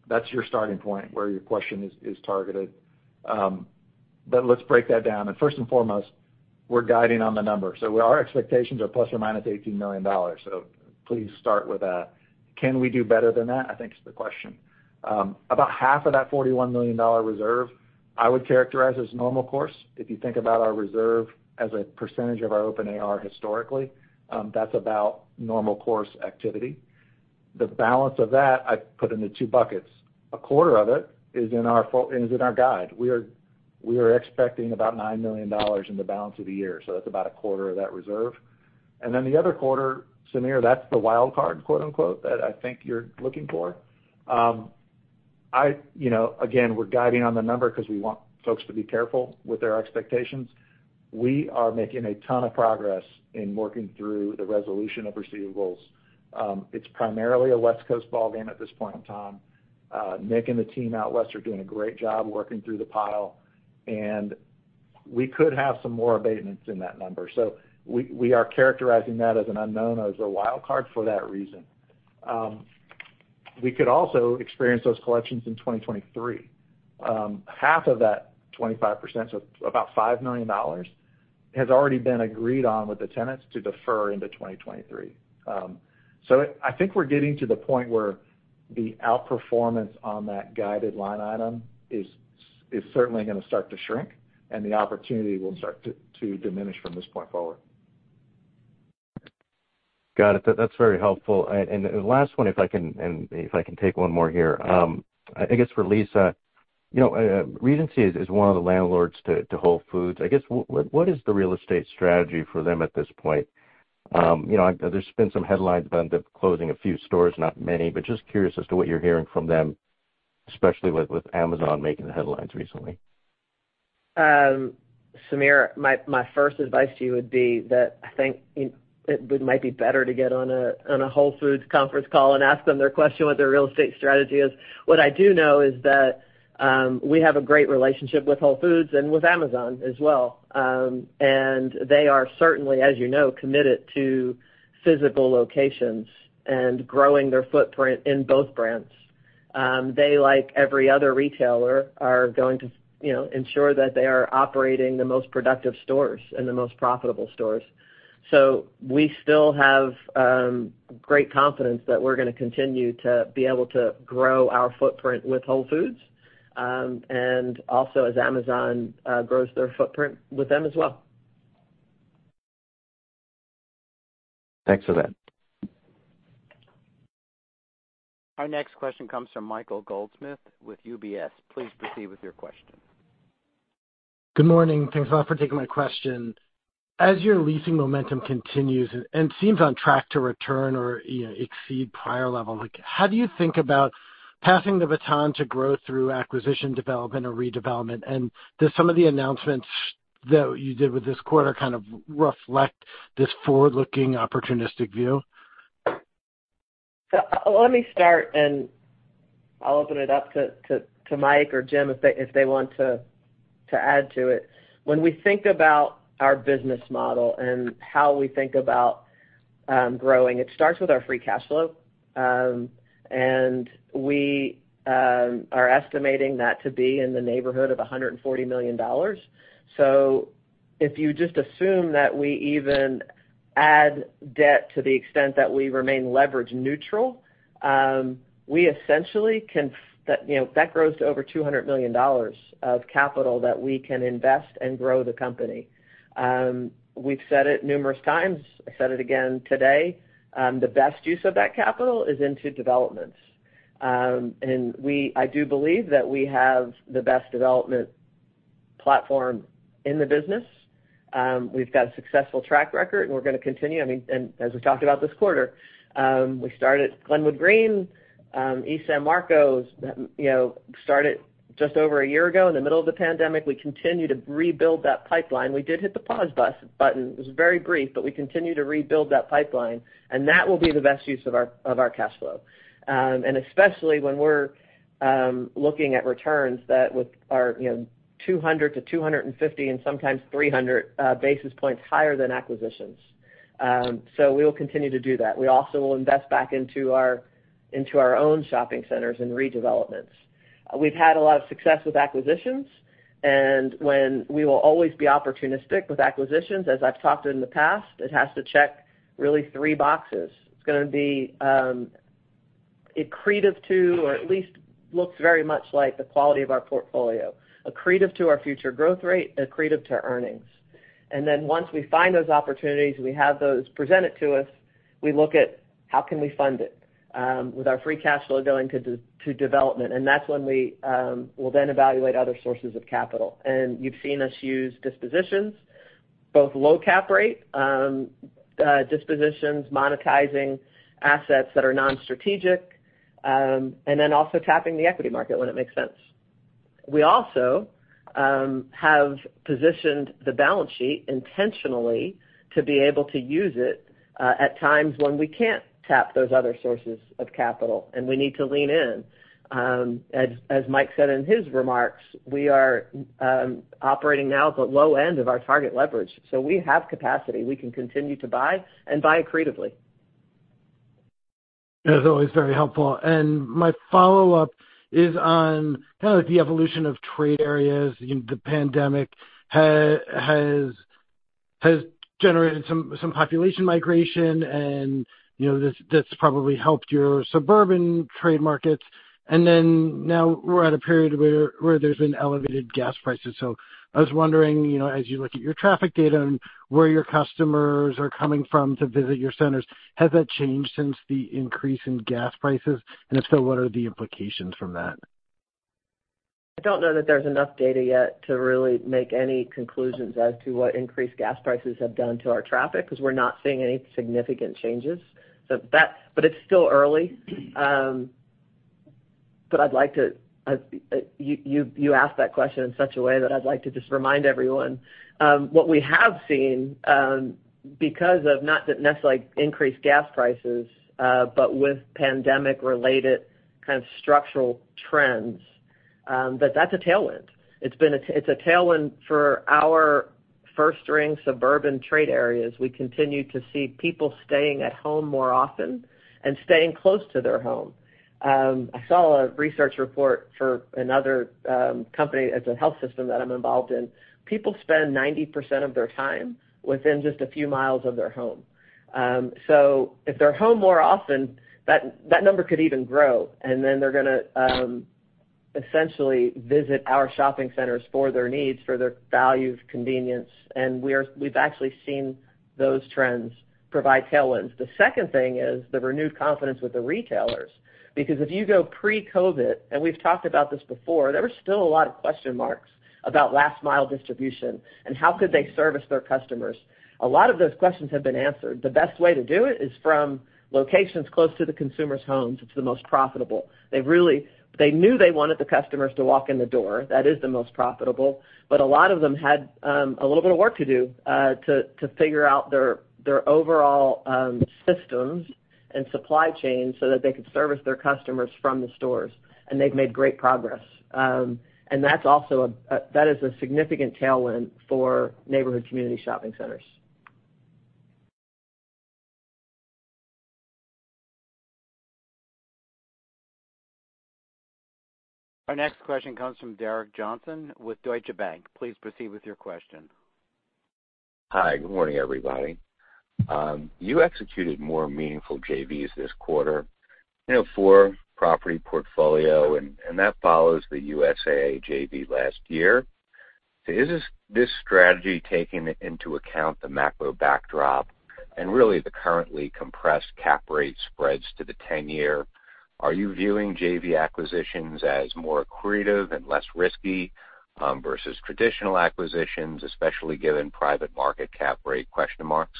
That's your starting point where your question is targeted. Let's break that down. First and foremost, we're guiding on the number. Our expectations are ±$18 million. Please start with that. Can we do better than that, I think is the question. About half of that $41 million reserve, I would characterize as normal course. If you think about our reserve as a percentage of our open AR historically, that's about normal course activity. The balance of that I put into two buckets. A quarter of it is in our guide. We are expecting about $9 million in the balance of the year. That's about a quarter of that reserve. The other quarter, Samir, that's the wild card, quote-unquote, that I think you're looking for. You know, again, we're guiding on the number because we want folks to be careful with their expectations. We are making a ton of progress in working through the resolution of receivables. It's primarily a West Coast ballgame at this point in time. Nick and the team out west are doing a great job working through the pile, and we could have some more abatements in that number. We are characterizing that as an unknown, as a wild card for that reason. We could also experience those collections in 2023. Half of that 25%, so about $5 million, has already been agreed on with the tenants to defer into 2023. I think we're getting to the point where the outperformance on that guided line item is certainly gonna start to shrink, and the opportunity will start to diminish from this point forward. Got it. That's very helpful. Last one, if I can take one more here. I guess for Lisa. You know, Regency is one of the landlords to Whole Foods. I guess, what is the real estate strategy for them at this point? You know, there's been some headlines about them closing a few stores, not many, but just curious as to what you're hearing from them, especially with Amazon making the headlines recently. Samir, my first advice to you would be that I think it might be better to get on a Whole Foods conference call and ask them their question what their real estate strategy is. What I do know is that we have a great relationship with Whole Foods and with Amazon as well. They are certainly, as you know, committed to physical locations and growing their footprint in both brands. They, like every other retailer, are going to, you know, ensure that they are operating the most productive stores and the most profitable stores. We still have great confidence that we're gonna continue to be able to grow our footprint with Whole Foods, and also as Amazon grows their footprint with them as well. Thanks for that. Our next question comes from Michael Goldsmith with UBS. Please proceed with your question. Good morning. Thanks a lot for taking my question. As your leasing momentum continues and seems on track to return or, you know, exceed prior levels, like how do you think about passing the baton to grow through acquisition development or redevelopment? Do some of the announcements that you did with this quarter kind of reflect this forward-looking opportunistic view? Let me start, and I'll open it up to Mike or Jim if they want to add to it. When we think about our business model and how we think about growing, it starts with our free cash flow. We are estimating that to be in the neighborhood of $140 million. If you just assume that we even add debt to the extent that we remain leverage neutral, we essentially can, you know, that grows to over $200 million of capital that we can invest and grow the company. We've said it numerous times, I said it again today, the best use of that capital is into developments. I do believe that we have the best development platform in the business. We've got a successful track record, and we're gonna continue. I mean, as we talked about this quarter, we started Glenwood Green, East San Marco, that, you know, started just over a year ago in the middle of the pandemic. We continue to rebuild that pipeline. We did hit the pause button. It was very brief, but we continue to rebuild that pipeline, and that will be the best use of our cash flow. Especially when we're looking at returns that with our, you know, 200-250 and sometimes 300 basis points higher than acquisitions. We will continue to do that. We also will invest back into our own shopping centers and redevelopments. We've had a lot of success with acquisitions. We will always be opportunistic with acquisitions, as I've talked in the past. It has to check really three boxes. It's gonna be accretive to, or at least looks very much like the quality of our portfolio, accretive to our future growth rate, accretive to earnings. Once we find those opportunities, we have those presented to us, we look at how can we fund it with our free cash flow going to development, and that's when we will then evaluate other sources of capital. You've seen us use dispositions, both low cap rate dispositions, monetizing assets that are non-strategic, and then also tapping the equity market when it makes sense. We also have positioned the balance sheet intentionally to be able to use it at times when we can't tap those other sources of capital, and we need to lean in. As Mike said in his remarks, we are operating now at the low end of our target leverage. We have capacity. We can continue to buy and buy accretively. That is always very helpful. My follow-up is on kind of the evolution of trade areas. You know, the pandemic has generated some population migration, and you know that's probably helped your suburban trade markets. Now we're at a period where there's been elevated gas prices. I was wondering, you know, as you look at your traffic data and where your customers are coming from to visit your centers, has that changed since the increase in gas prices? If so, what are the implications from that? I don't know that there's enough data yet to really make any conclusions as to what increased gas prices have done to our traffic, because we're not seeing any significant changes. It's still early. I'd like to. You asked that question in such a way that I'd like to just remind everyone what we have seen because of not necessarily increased gas prices but with pandemic-related kind of structural trends, that's a tailwind. It's a tailwind for our first-ring suburban trade areas. We continue to see people staying at home more often and staying close to their home. I saw a research report for another company. It's a health system that I'm involved in. People spend 90% of their time within just a few miles of their home. If they're home more often, that number could even grow, and then they're gonna essentially visit our shopping centers for their needs, for their value, convenience, and we've actually seen those trends provide tailwinds. The second thing is the renewed confidence with the retailers. Because if you go pre-COVID, and we've talked about this before, there were still a lot of question marks about last mile distribution and how could they service their customers. A lot of those questions have been answered. The best way to do it is from locations close to the consumer's homes. It's the most profitable. They knew they wanted the customers to walk in the door. That is the most profitable. A lot of them had a little bit of work to do to figure out their overall systems and supply chain so that they could service their customers from the stores, and they've made great progress. That's also, that is, a significant tailwind for neighborhood community shopping centers. Our next question comes from Derek Johnston with Deutsche Bank. Please proceed with your question. Hi. Good morning, everybody. You executed more meaningful JVs this quarter, you know, for property portfolio, and that follows the USAA JV last year. Is this strategy taking into account the macro backdrop and really the currently compressed cap rate spreads to the ten-year? Are you viewing JV acquisitions as more accretive and less risky versus traditional acquisitions, especially given private market cap rate question marks?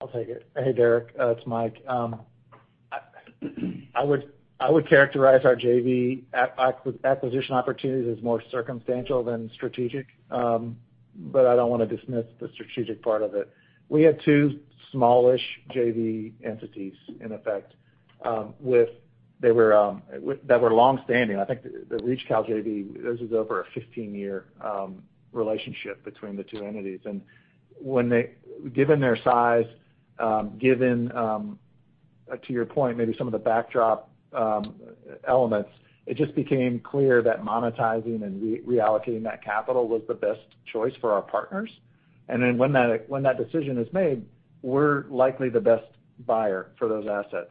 I'll take it. Hey, Derek, it's Mike. I would characterize our JV acquisition opportunities as more circumstantial than strategic, but I don't wanna dismiss the strategic part of it. We had two smallish JV entities in effect with that were long-standing. I think the RegCal JV, this is over a 15-year relationship between the two entities. When given their size, given to your point, maybe some of the backdrop elements, it just became clear that monetizing and reallocating that capital was the best choice for our partners. When that decision is made, we're likely the best buyer for those assets.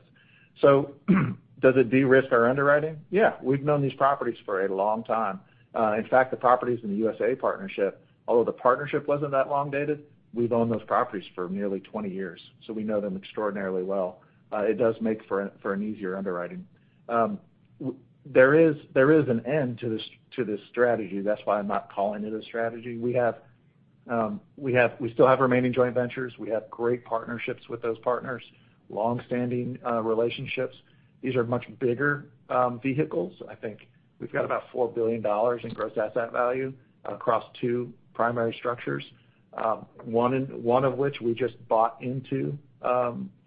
Does it de-risk our underwriting? Yeah. We've known these properties for a long time. In fact, the properties in the USA partnership, although the partnership wasn't that long dated, we've owned those properties for nearly 20 years, so we know them extraordinarily well. It does make for an easier underwriting. There is an end to this strategy. That's why I'm not calling it a strategy. We still have remaining joint ventures. We have great partnerships with those partners, long-standing relationships. These are much bigger vehicles. I think we've got about $4 billion in gross asset value across two primary structures, one of which we just bought into,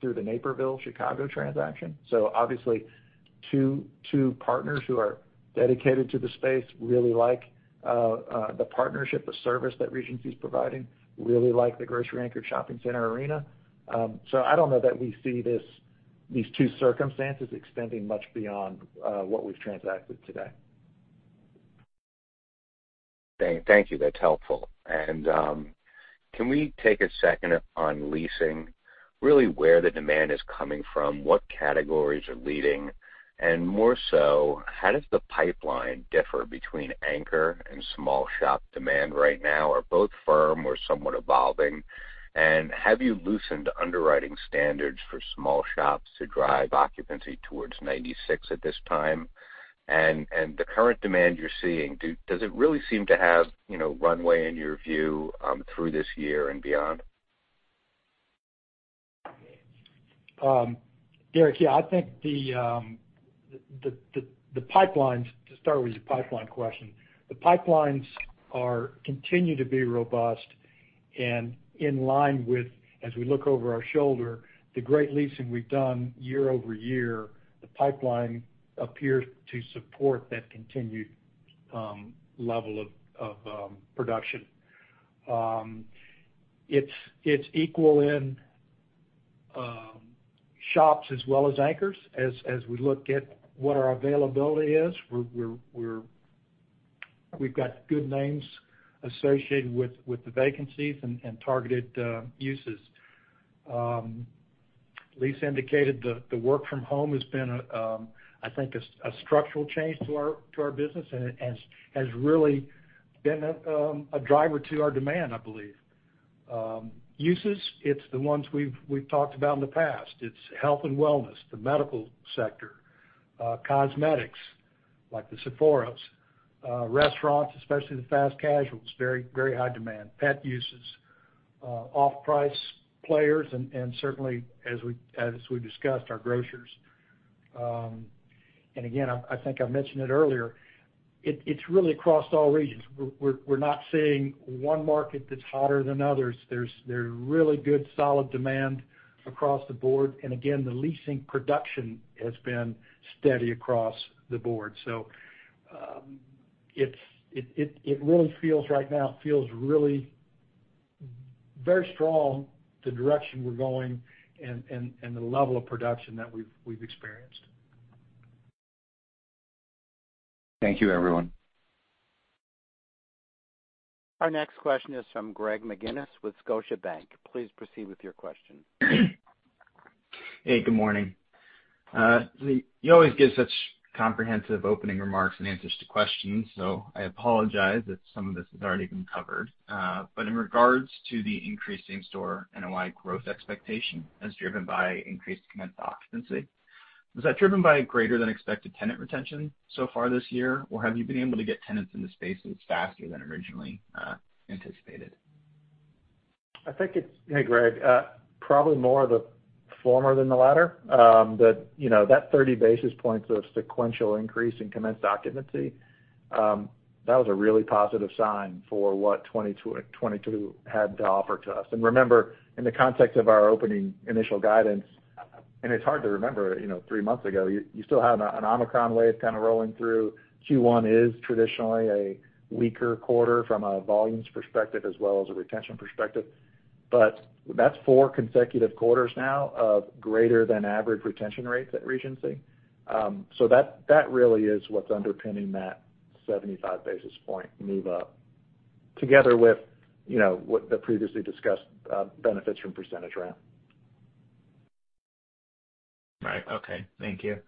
through the Naperville Chicago transaction. Obviously two partners who are dedicated to the space, really like the partnership, the service that Regency is providing, really like the grocery-anchored shopping center arena. I don't know that we see these two circumstances extending much beyond what we've transacted today. Thank you. That's helpful. Can we take a second on leasing, really where the demand is coming from, what categories are leading? More so, how does the pipeline differ between anchor and small shop demand right now? Are both firm or somewhat evolving? Have you loosened underwriting standards for small shops to drive occupancy towards 96% at this time? The current demand you're seeing, does it really seem to have, you know, runway in your view, through this year and beyond? Derek, yeah. I think the pipelines. To start with your pipeline question, the pipelines continue to be robust and in line with, as we look over our shoulder, the great leasing we've done year over year, the pipeline appears to support that continued level of production. It's equal in shops as well as anchors. As we look at what our availability is, we've got good names associated with the vacancies and targeted uses. Leases indicate the work from home has been, I think a structural change to our business and has really been a driver to our demand, I believe. Uses, it's the ones we've talked about in the past. It's health and wellness, the medical sector, cosmetics, like the Sephora, restaurants, especially the fast casual. It's very, very high demand. Pet uses, off-price players and certainly as we discussed, our grocers. Again, I think I mentioned it earlier, it's really across all regions. We're not seeing one market that's hotter than others. There's really good solid demand across the board. Again, the leasing production has been steady across the board. It really feels right now, feels really very strong, the direction we're going and the level of production that we've experienced. Thank you, everyone. Our next question is from Greg McGinniss with Scotiabank. Please proceed with your question. Hey, good morning. You always give such comprehensive opening remarks and answers to questions, so I apologize if some of this has already been covered. In regards to the increasing store NOI growth expectation as driven by increased commenced occupancy, was that driven by greater than expected tenant retention so far this year, or have you been able to get tenants in the spaces faster than originally anticipated? Hey, Greg. Probably more of the former than the latter. You know, that 30 basis points of sequential increase in commenced occupancy, that was a really positive sign for what 2022 had to offer to us. Remember, in the context of our opening initial guidance, and it's hard to remember, you know, three months ago, you still had an Omicron wave kind of rolling through. Q1 is traditionally a weaker quarter from a volumes perspective as well as a retention perspective. That's four consecutive quarters now of greater than average retention rates at Regency. That really is what's underpinning that 75 basis point move up together with, you know, what the previously discussed benefits from percentage rent. Right. Okay. Thank you.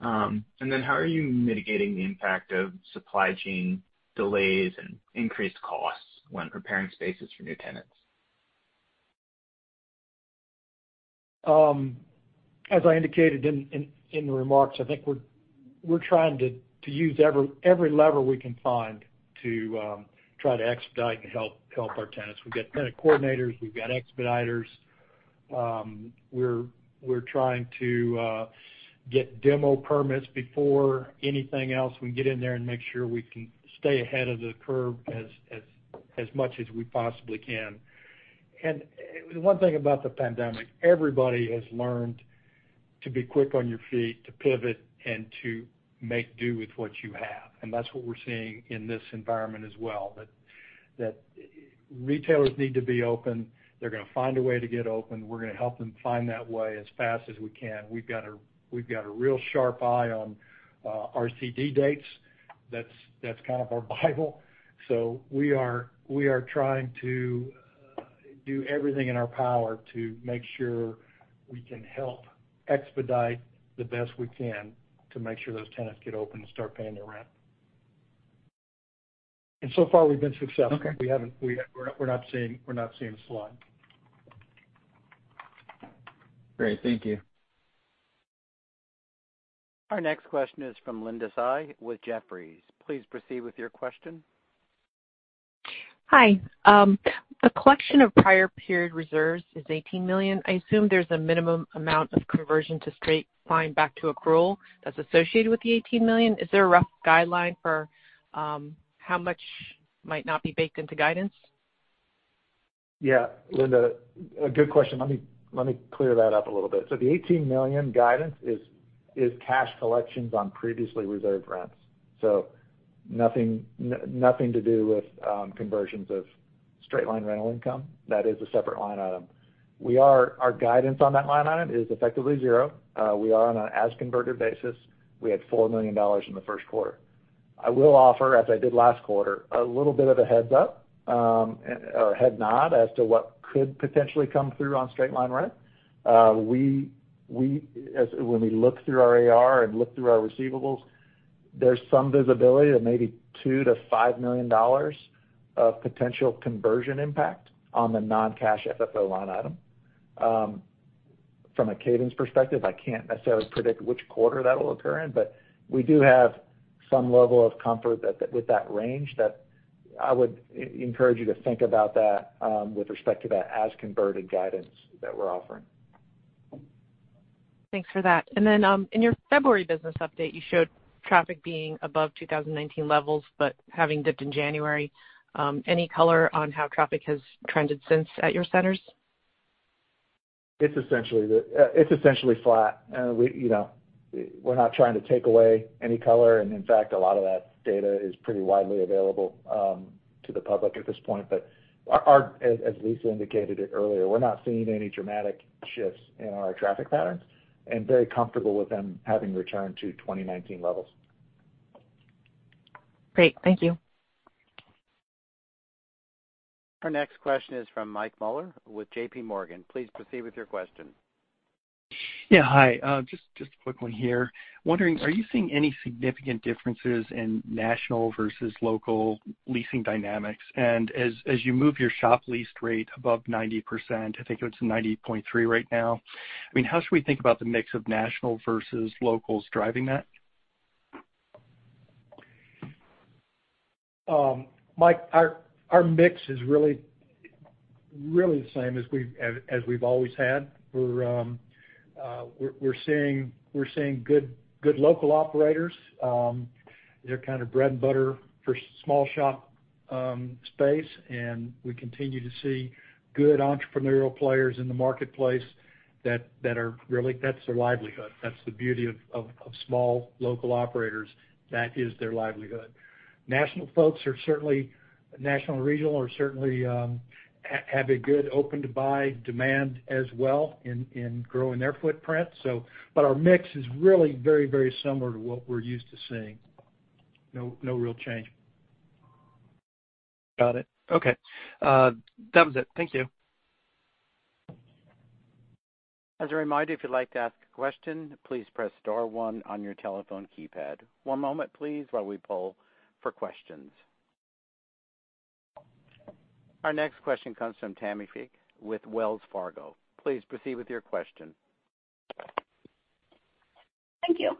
How are you mitigating the impact of supply chain delays and increased costs when preparing spaces for new tenants? As I indicated in remarks, I think we're trying to use every lever we can find to try to expedite and help our tenants. We've got tenant coordinators, we've got expediters. We're trying to get demo permits before anything else. We can get in there and make sure we can stay ahead of the curve as much as we possibly can. One thing about the pandemic, everybody has learned to be quick on your feet, to pivot, and to make do with what you have. That's what we're seeing in this environment as well, that retailers need to be open. They're gonna find a way to get open. We're gonna help them find that way as fast as we can. We've got a real sharp eye on our CD dates. That's kind of our Bible. We are trying to do everything in our power to make sure we can help expedite the best we can to make sure those tenants get open and start paying their rent. So far, we've been successful. Okay. We're not seeing a slide. Great. Thank you. Our next question is from Linda Tsai with Jefferies. Please proceed with your question. Hi. The collection of prior period reserves is $18 million. I assume there's a minimum amount of conversion to straight line back to accrual that's associated with the $18 million. Is there a rough guideline for how much might not be baked into guidance? Yeah. Linda, a good question. Let me clear that up a little bit. The $18 million guidance is cash collections on previously reserved rents. Nothing to do with conversions of straight line rental income. That is a separate line item. Our guidance on that line item is effectively zero. We are on an as-converted basis. We had $4 million in the first quarter. I will offer, as I did last quarter, a little bit of a heads up or a head nod as to what could potentially come through on straight line rent. As when we look through our AR and look through our receivables, there's some visibility of maybe $2 million-$5 million of potential conversion impact on the non-cash FFO line item. From a cadence perspective, I can't necessarily predict which quarter that will occur in, but we do have some level of comfort that with that range that I would encourage you to think about that, with respect to that as converted guidance that we're offering. Thanks for that. Then, in your February business update, you showed traffic being above 2019 levels, but having dipped in January. Any color on how traffic has trended since at your centers? It's essentially flat. We, you know, we're not trying to take away any color, and in fact, a lot of that data is pretty widely available to the public at this point. Our, as Lisa indicated it earlier, we're not seeing any dramatic shifts in our traffic patterns, and very comfortable with them having returned to 2019 levels. Great. Thank you. Our next question is from Michael Mueller with JPMorgan. Please proceed with your question. Yeah. Hi. Just a quick one here. Wondering, are you seeing any significant differences in national versus local leasing dynamics? As you move your shop lease rate above 90%, I think it's 90.3 right now, I mean, how should we think about the mix of national versus locals driving that? Mike, our mix is really the same as we've always had. We're seeing good local operators. They're kind of bread and butter for small shop space, and we continue to see good entrepreneurial players in the marketplace that are really, that's their livelihood. That's the beauty of small local operators. That is their livelihood. National folks are certainly national and regional are certainly have a good open to buy demand as well in growing their footprint. Our mix is really very similar to what we're used to seeing. No real change. Got it. Okay. That was it. Thank you. As a reminder, if you'd like to ask a question, please press star one on your telephone keypad. One moment, please, while we poll for questions. Our next question comes from Tamara Fique with Wells Fargo. Please proceed with your question. Thank you.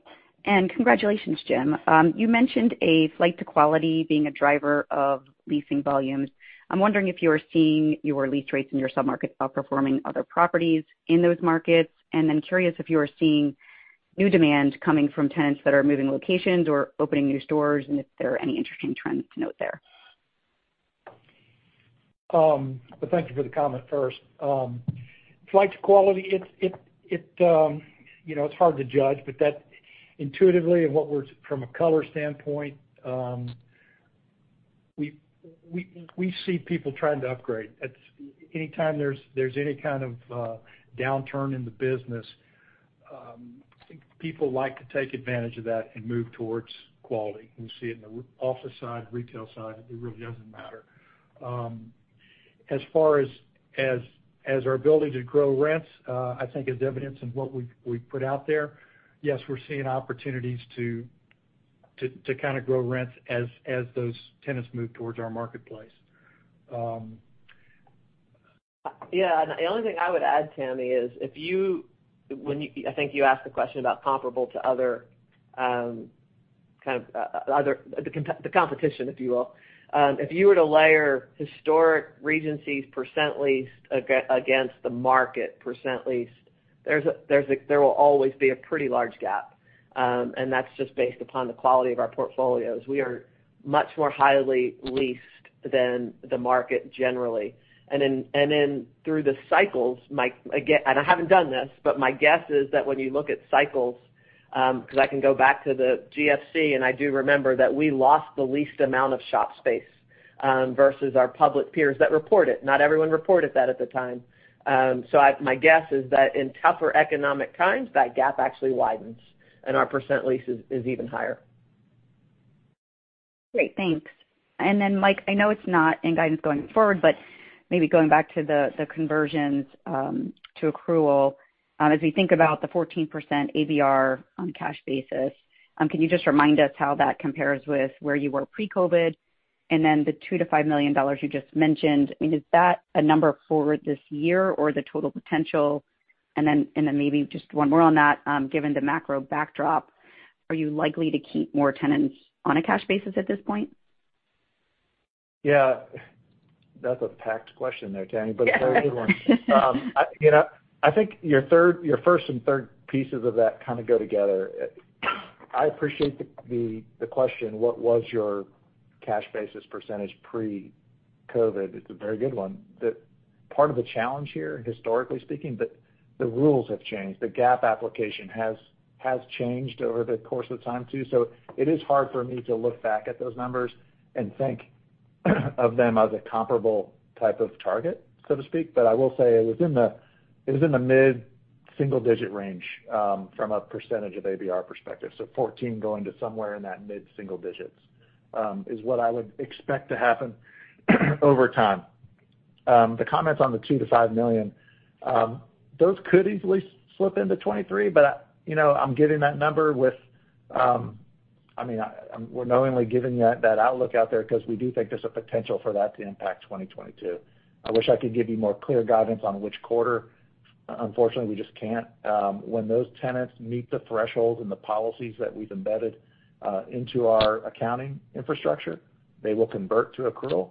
Congratulations, Jim. You mentioned a flight to quality being a driver of leasing volumes. I'm wondering if you are seeing your lease rates in your sub-markets outperforming other properties in those markets. Curious if you are seeing new demand coming from tenants that are moving locations or opening new stores, and if there are any interesting trends to note there. Well, thank you for the comment first. Flight to quality, it you know, it's hard to judge, but that intuitively and what we're from a color standpoint, we see people trying to upgrade. At any time there's any kind of downturn in the business, I think people like to take advantage of that and move towards quality. We see it in the office side, retail side, it really doesn't matter. As far as our ability to grow rents, I think as evidenced in what we put out there, yes, we're seeing opportunities to kind of grow rents as those tenants move towards our marketplace. Yeah. The only thing I would add, Tamara Fique, is when you I think you asked the question about comparable to other kind of the competition, if you will. If you were to layer historic Regency's percent leased against the market percent leased, there will always be a pretty large gap. That's just based upon the quality of our portfolios. We are much more highly leased than the market generally. Then through the cycles, again, I haven't done this, but my guess is that when you look at cycles, 'cause I can go back to the GFC, I do remember that we lost the least amount of shop space versus our public peers that report it, not everyone reported that at the time. My guess is that in tougher economic times, that gap actually widens and our percent leased is even higher. Great. Thanks. Then Mike, I know it's not in guidance going forward, but maybe going back to the conversions to accrual. As we think about the 14% ABR on cash basis, can you just remind us how that compares with where you were pre-COVID? Then the $2 million-$5 million you just mentioned, I mean, is that a number forward this year or the total potential? Then maybe just one more on that, given the macro backdrop, are you likely to keep more tenants on a cash basis at this point? Yeah. That's a packed question there, Tamara, but a very good one. I, you know, I think your first and third pieces of that kind of go together. I appreciate the question, what was your cash basis percentage pre-COVID? It's a very good one. Part of the challenge here, historically speaking, the rules have changed. The GAAP application has changed over the course of time, too. It is hard for me to look back at those numbers and think of them as a comparable type of target, so to speak. I will say it was in the mid-single digit range from a percentage of ABR perspective. 14 going to somewhere in that mid-single digits is what I would expect to happen over time. The comments on the $2 million-$5 million, those could easily slip into 2023, but, you know, I'm giving that number with... I mean, we're knowingly giving that outlook out there because we do think there's a potential for that to impact 2022. I wish I could give you more clear guidance on which quarter. Unfortunately, we just can't. When those tenants meet the threshold and the policies that we've embedded into our accounting infrastructure, they will convert to accrual,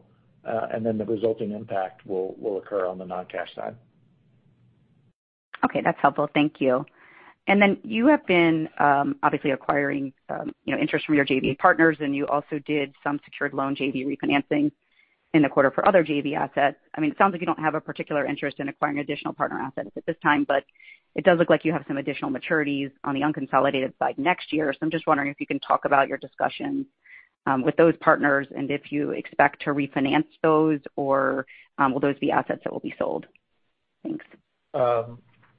and then the resulting impact will occur on the non-cash side. Okay. That's helpful. Thank you. Then you have been obviously acquiring you know interest from your JV partners, and you also did some secured loan JV refinancing in the quarter for other JV assets. I mean, it sounds like you don't have a particular interest in acquiring additional partner assets at this time, but it does look like you have some additional maturities on the unconsolidated side next year. I'm just wondering if you can talk about your discussions with those partners and if you expect to refinance those or will those be assets that will be sold? Thanks.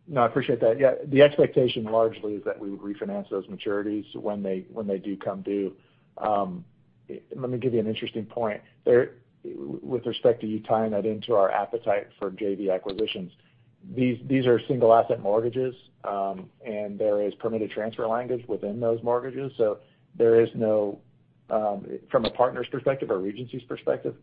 No, I appreciate that. Yeah, the expectation largely is that we would refinance those maturities when they do come due. Let me give you an interesting point. With respect to you tying that into our appetite for JV acquisitions, these are single asset mortgages, and there is permitted transfer language within those mortgages. So there is no, from a partner's perspective or Regency's perspective,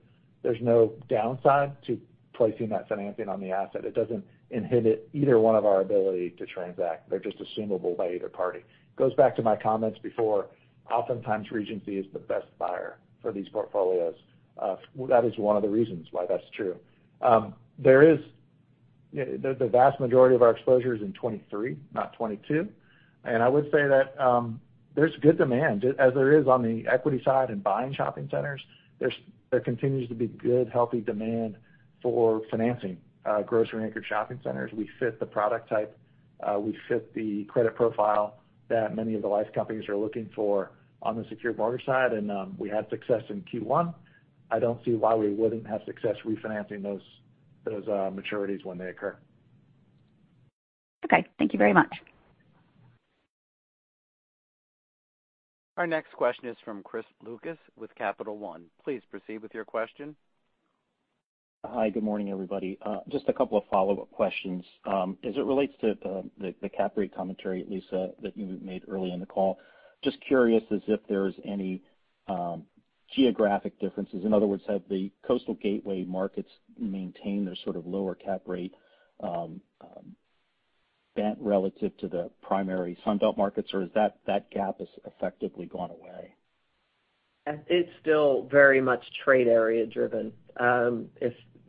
there's no downside to placing that financing on the asset. It doesn't inhibit either one of our ability to transact. They're just assumable by either party. It goes back to my comments before, oftentimes Regency is the best buyer for these portfolios. Well, that is one of the reasons why that's true. The vast majority of our exposure is in 2023, not 2022. I would say that there's good demand, as there is on the equity side in buying shopping centers. There continues to be good, healthy demand for financing grocery anchored shopping centers. We fit the product type. We fit the credit profile that many of the life companies are looking for on the secured mortgage side. We had success in Q1. I don't see why we wouldn't have success refinancing those maturities when they occur. Okay. Thank you very much. Our next question is from Chris Lucas with Capital One. Please proceed with your question. Hi, good morning, everybody. Just a couple of follow-up questions. As it relates to the cap rate commentary, Lisa, that you made early in the call, just curious if there's any geographic differences. In other words, have the Coastal Gateway markets maintained their sort of lower cap rate bent relative to the primary Sunbelt markets, or has that gap effectively gone away? It's still very much trade area driven.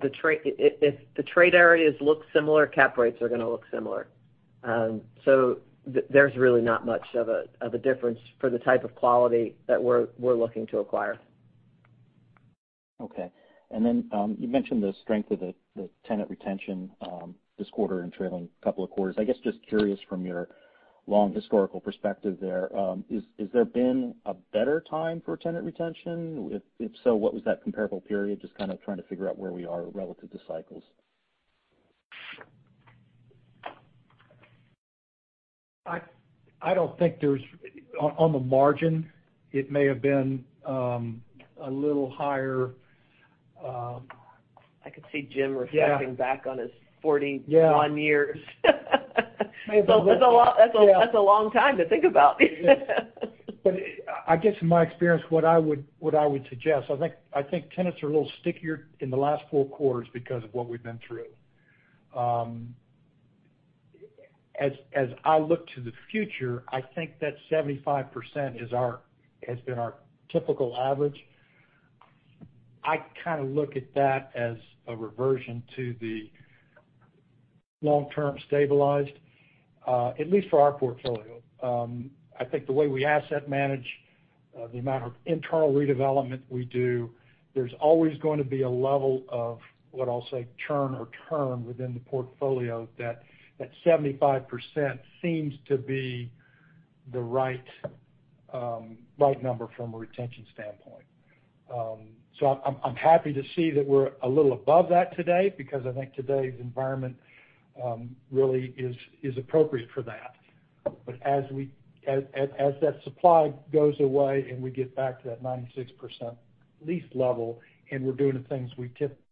If the trade areas look similar, cap rates are gonna look similar. There's really not much of a difference for the type of quality that we're looking to acquire. Okay. You mentioned the strength of the tenant retention this quarter and trailing couple of quarters. I guess, just curious from your long historical perspective there, has there been a better time for tenant retention? If so, what was that comparable period? Just kind of trying to figure out where we are relative to cycles. I don't think there's on the margin, it may have been a little higher. I could see Jim reflecting back on his 41 years. May have been. That's a lot. That's a long time to think about. I guess in my experience, what I would suggest, I think tenants are a little stickier in the last four quarters because of what we've been through. As I look to the future, I think that 75% has been our typical average. I kind of look at that as a reversion to the long-term stabilized at least for our portfolio. I think the way we asset manage, the amount of internal redevelopment we do, there's always gonna be a level of what I'll say churn or turn within the portfolio that 75% seems to be the right number from a retention standpoint. So I'm happy to see that we're a little above that today because I think today's environment really is appropriate for that. As that supply goes away and we get back to that 96% lease level and we're doing the things we typically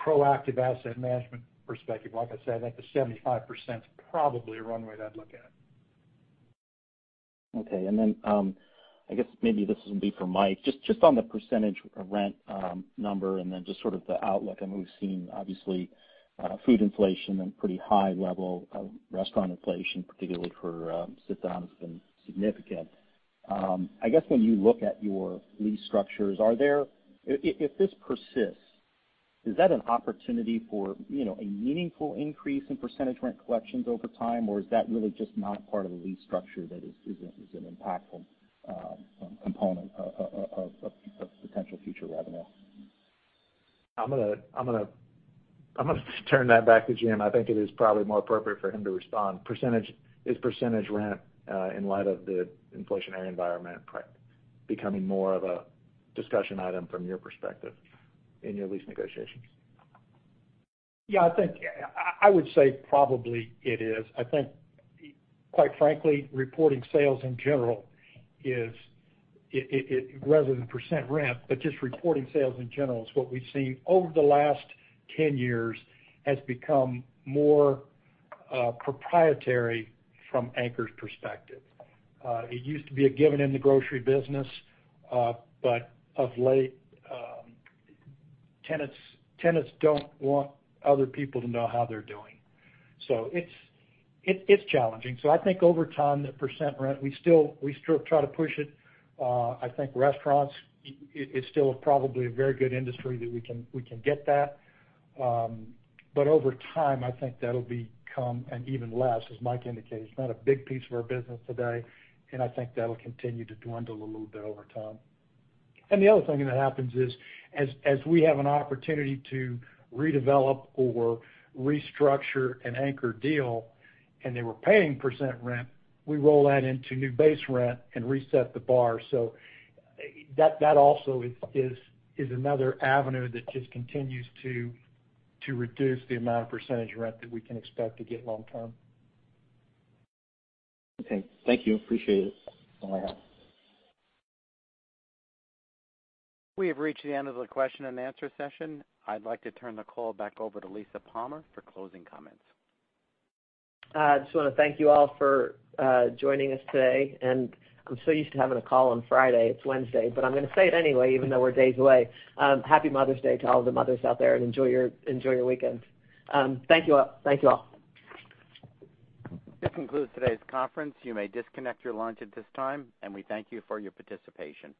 proactive asset management perspective, like I said, I think the 75% is probably a runway that I'd look at. Okay. I guess maybe this will be for Mike. Just on the percentage rent number, and then just sort of the outlook. I mean, we've seen obviously food inflation and pretty high level of restaurant inflation, particularly for sit down has been significant. I guess when you look at your lease structures, if this persists, is that an opportunity for, you know, a meaningful increase in percentage rent collections over time, or is that really just not part of the lease structure that is an impactful component of potential future revenue? I'm gonna turn that back to Jim. I think it is probably more appropriate for him to respond. Percentage is percentage rent, in light of the inflationary environment pre-becoming more of a discussion item from your perspective in your lease negotiations? Yeah, I think I would say probably it is. I think, quite frankly, reporting sales in general is rather than percent rent, but just reporting sales in general is what we've seen over the last 10 years has become more proprietary from anchor's perspective. It used to be a given in the grocery business, but of late, tenants don't want other people to know how they're doing. It's challenging. I think over time, the percent rent, we still try to push it. I think restaurants, it's still probably a very good industry that we can get that. Over time, I think that'll become even less, as Mike indicated. It's not a big piece of our business today, and I think that'll continue to dwindle a little bit over time. The other thing that happens is, as we have an opportunity to redevelop or restructure an anchor deal and they were paying percent rent, we roll that into new base rent and reset the bar. That also is another avenue that just continues to reduce the amount of percentage rent that we can expect to get long term. Okay. Thank you. Appreciate it. Uh-huh. We have reached the end of the question-and-answer session. I'd like to turn the call back over to Lisa Palmer for closing comments. I just wanna thank you all for joining us today. I'm so used to having a call on Friday, it's Wednesday, but I'm gonna say it anyway, even though we're days away. Happy Mother's Day to all the mothers out there and enjoy your weekend. Thank you all. This concludes today's conference. You may disconnect your lines at this time, and we thank you for your participation.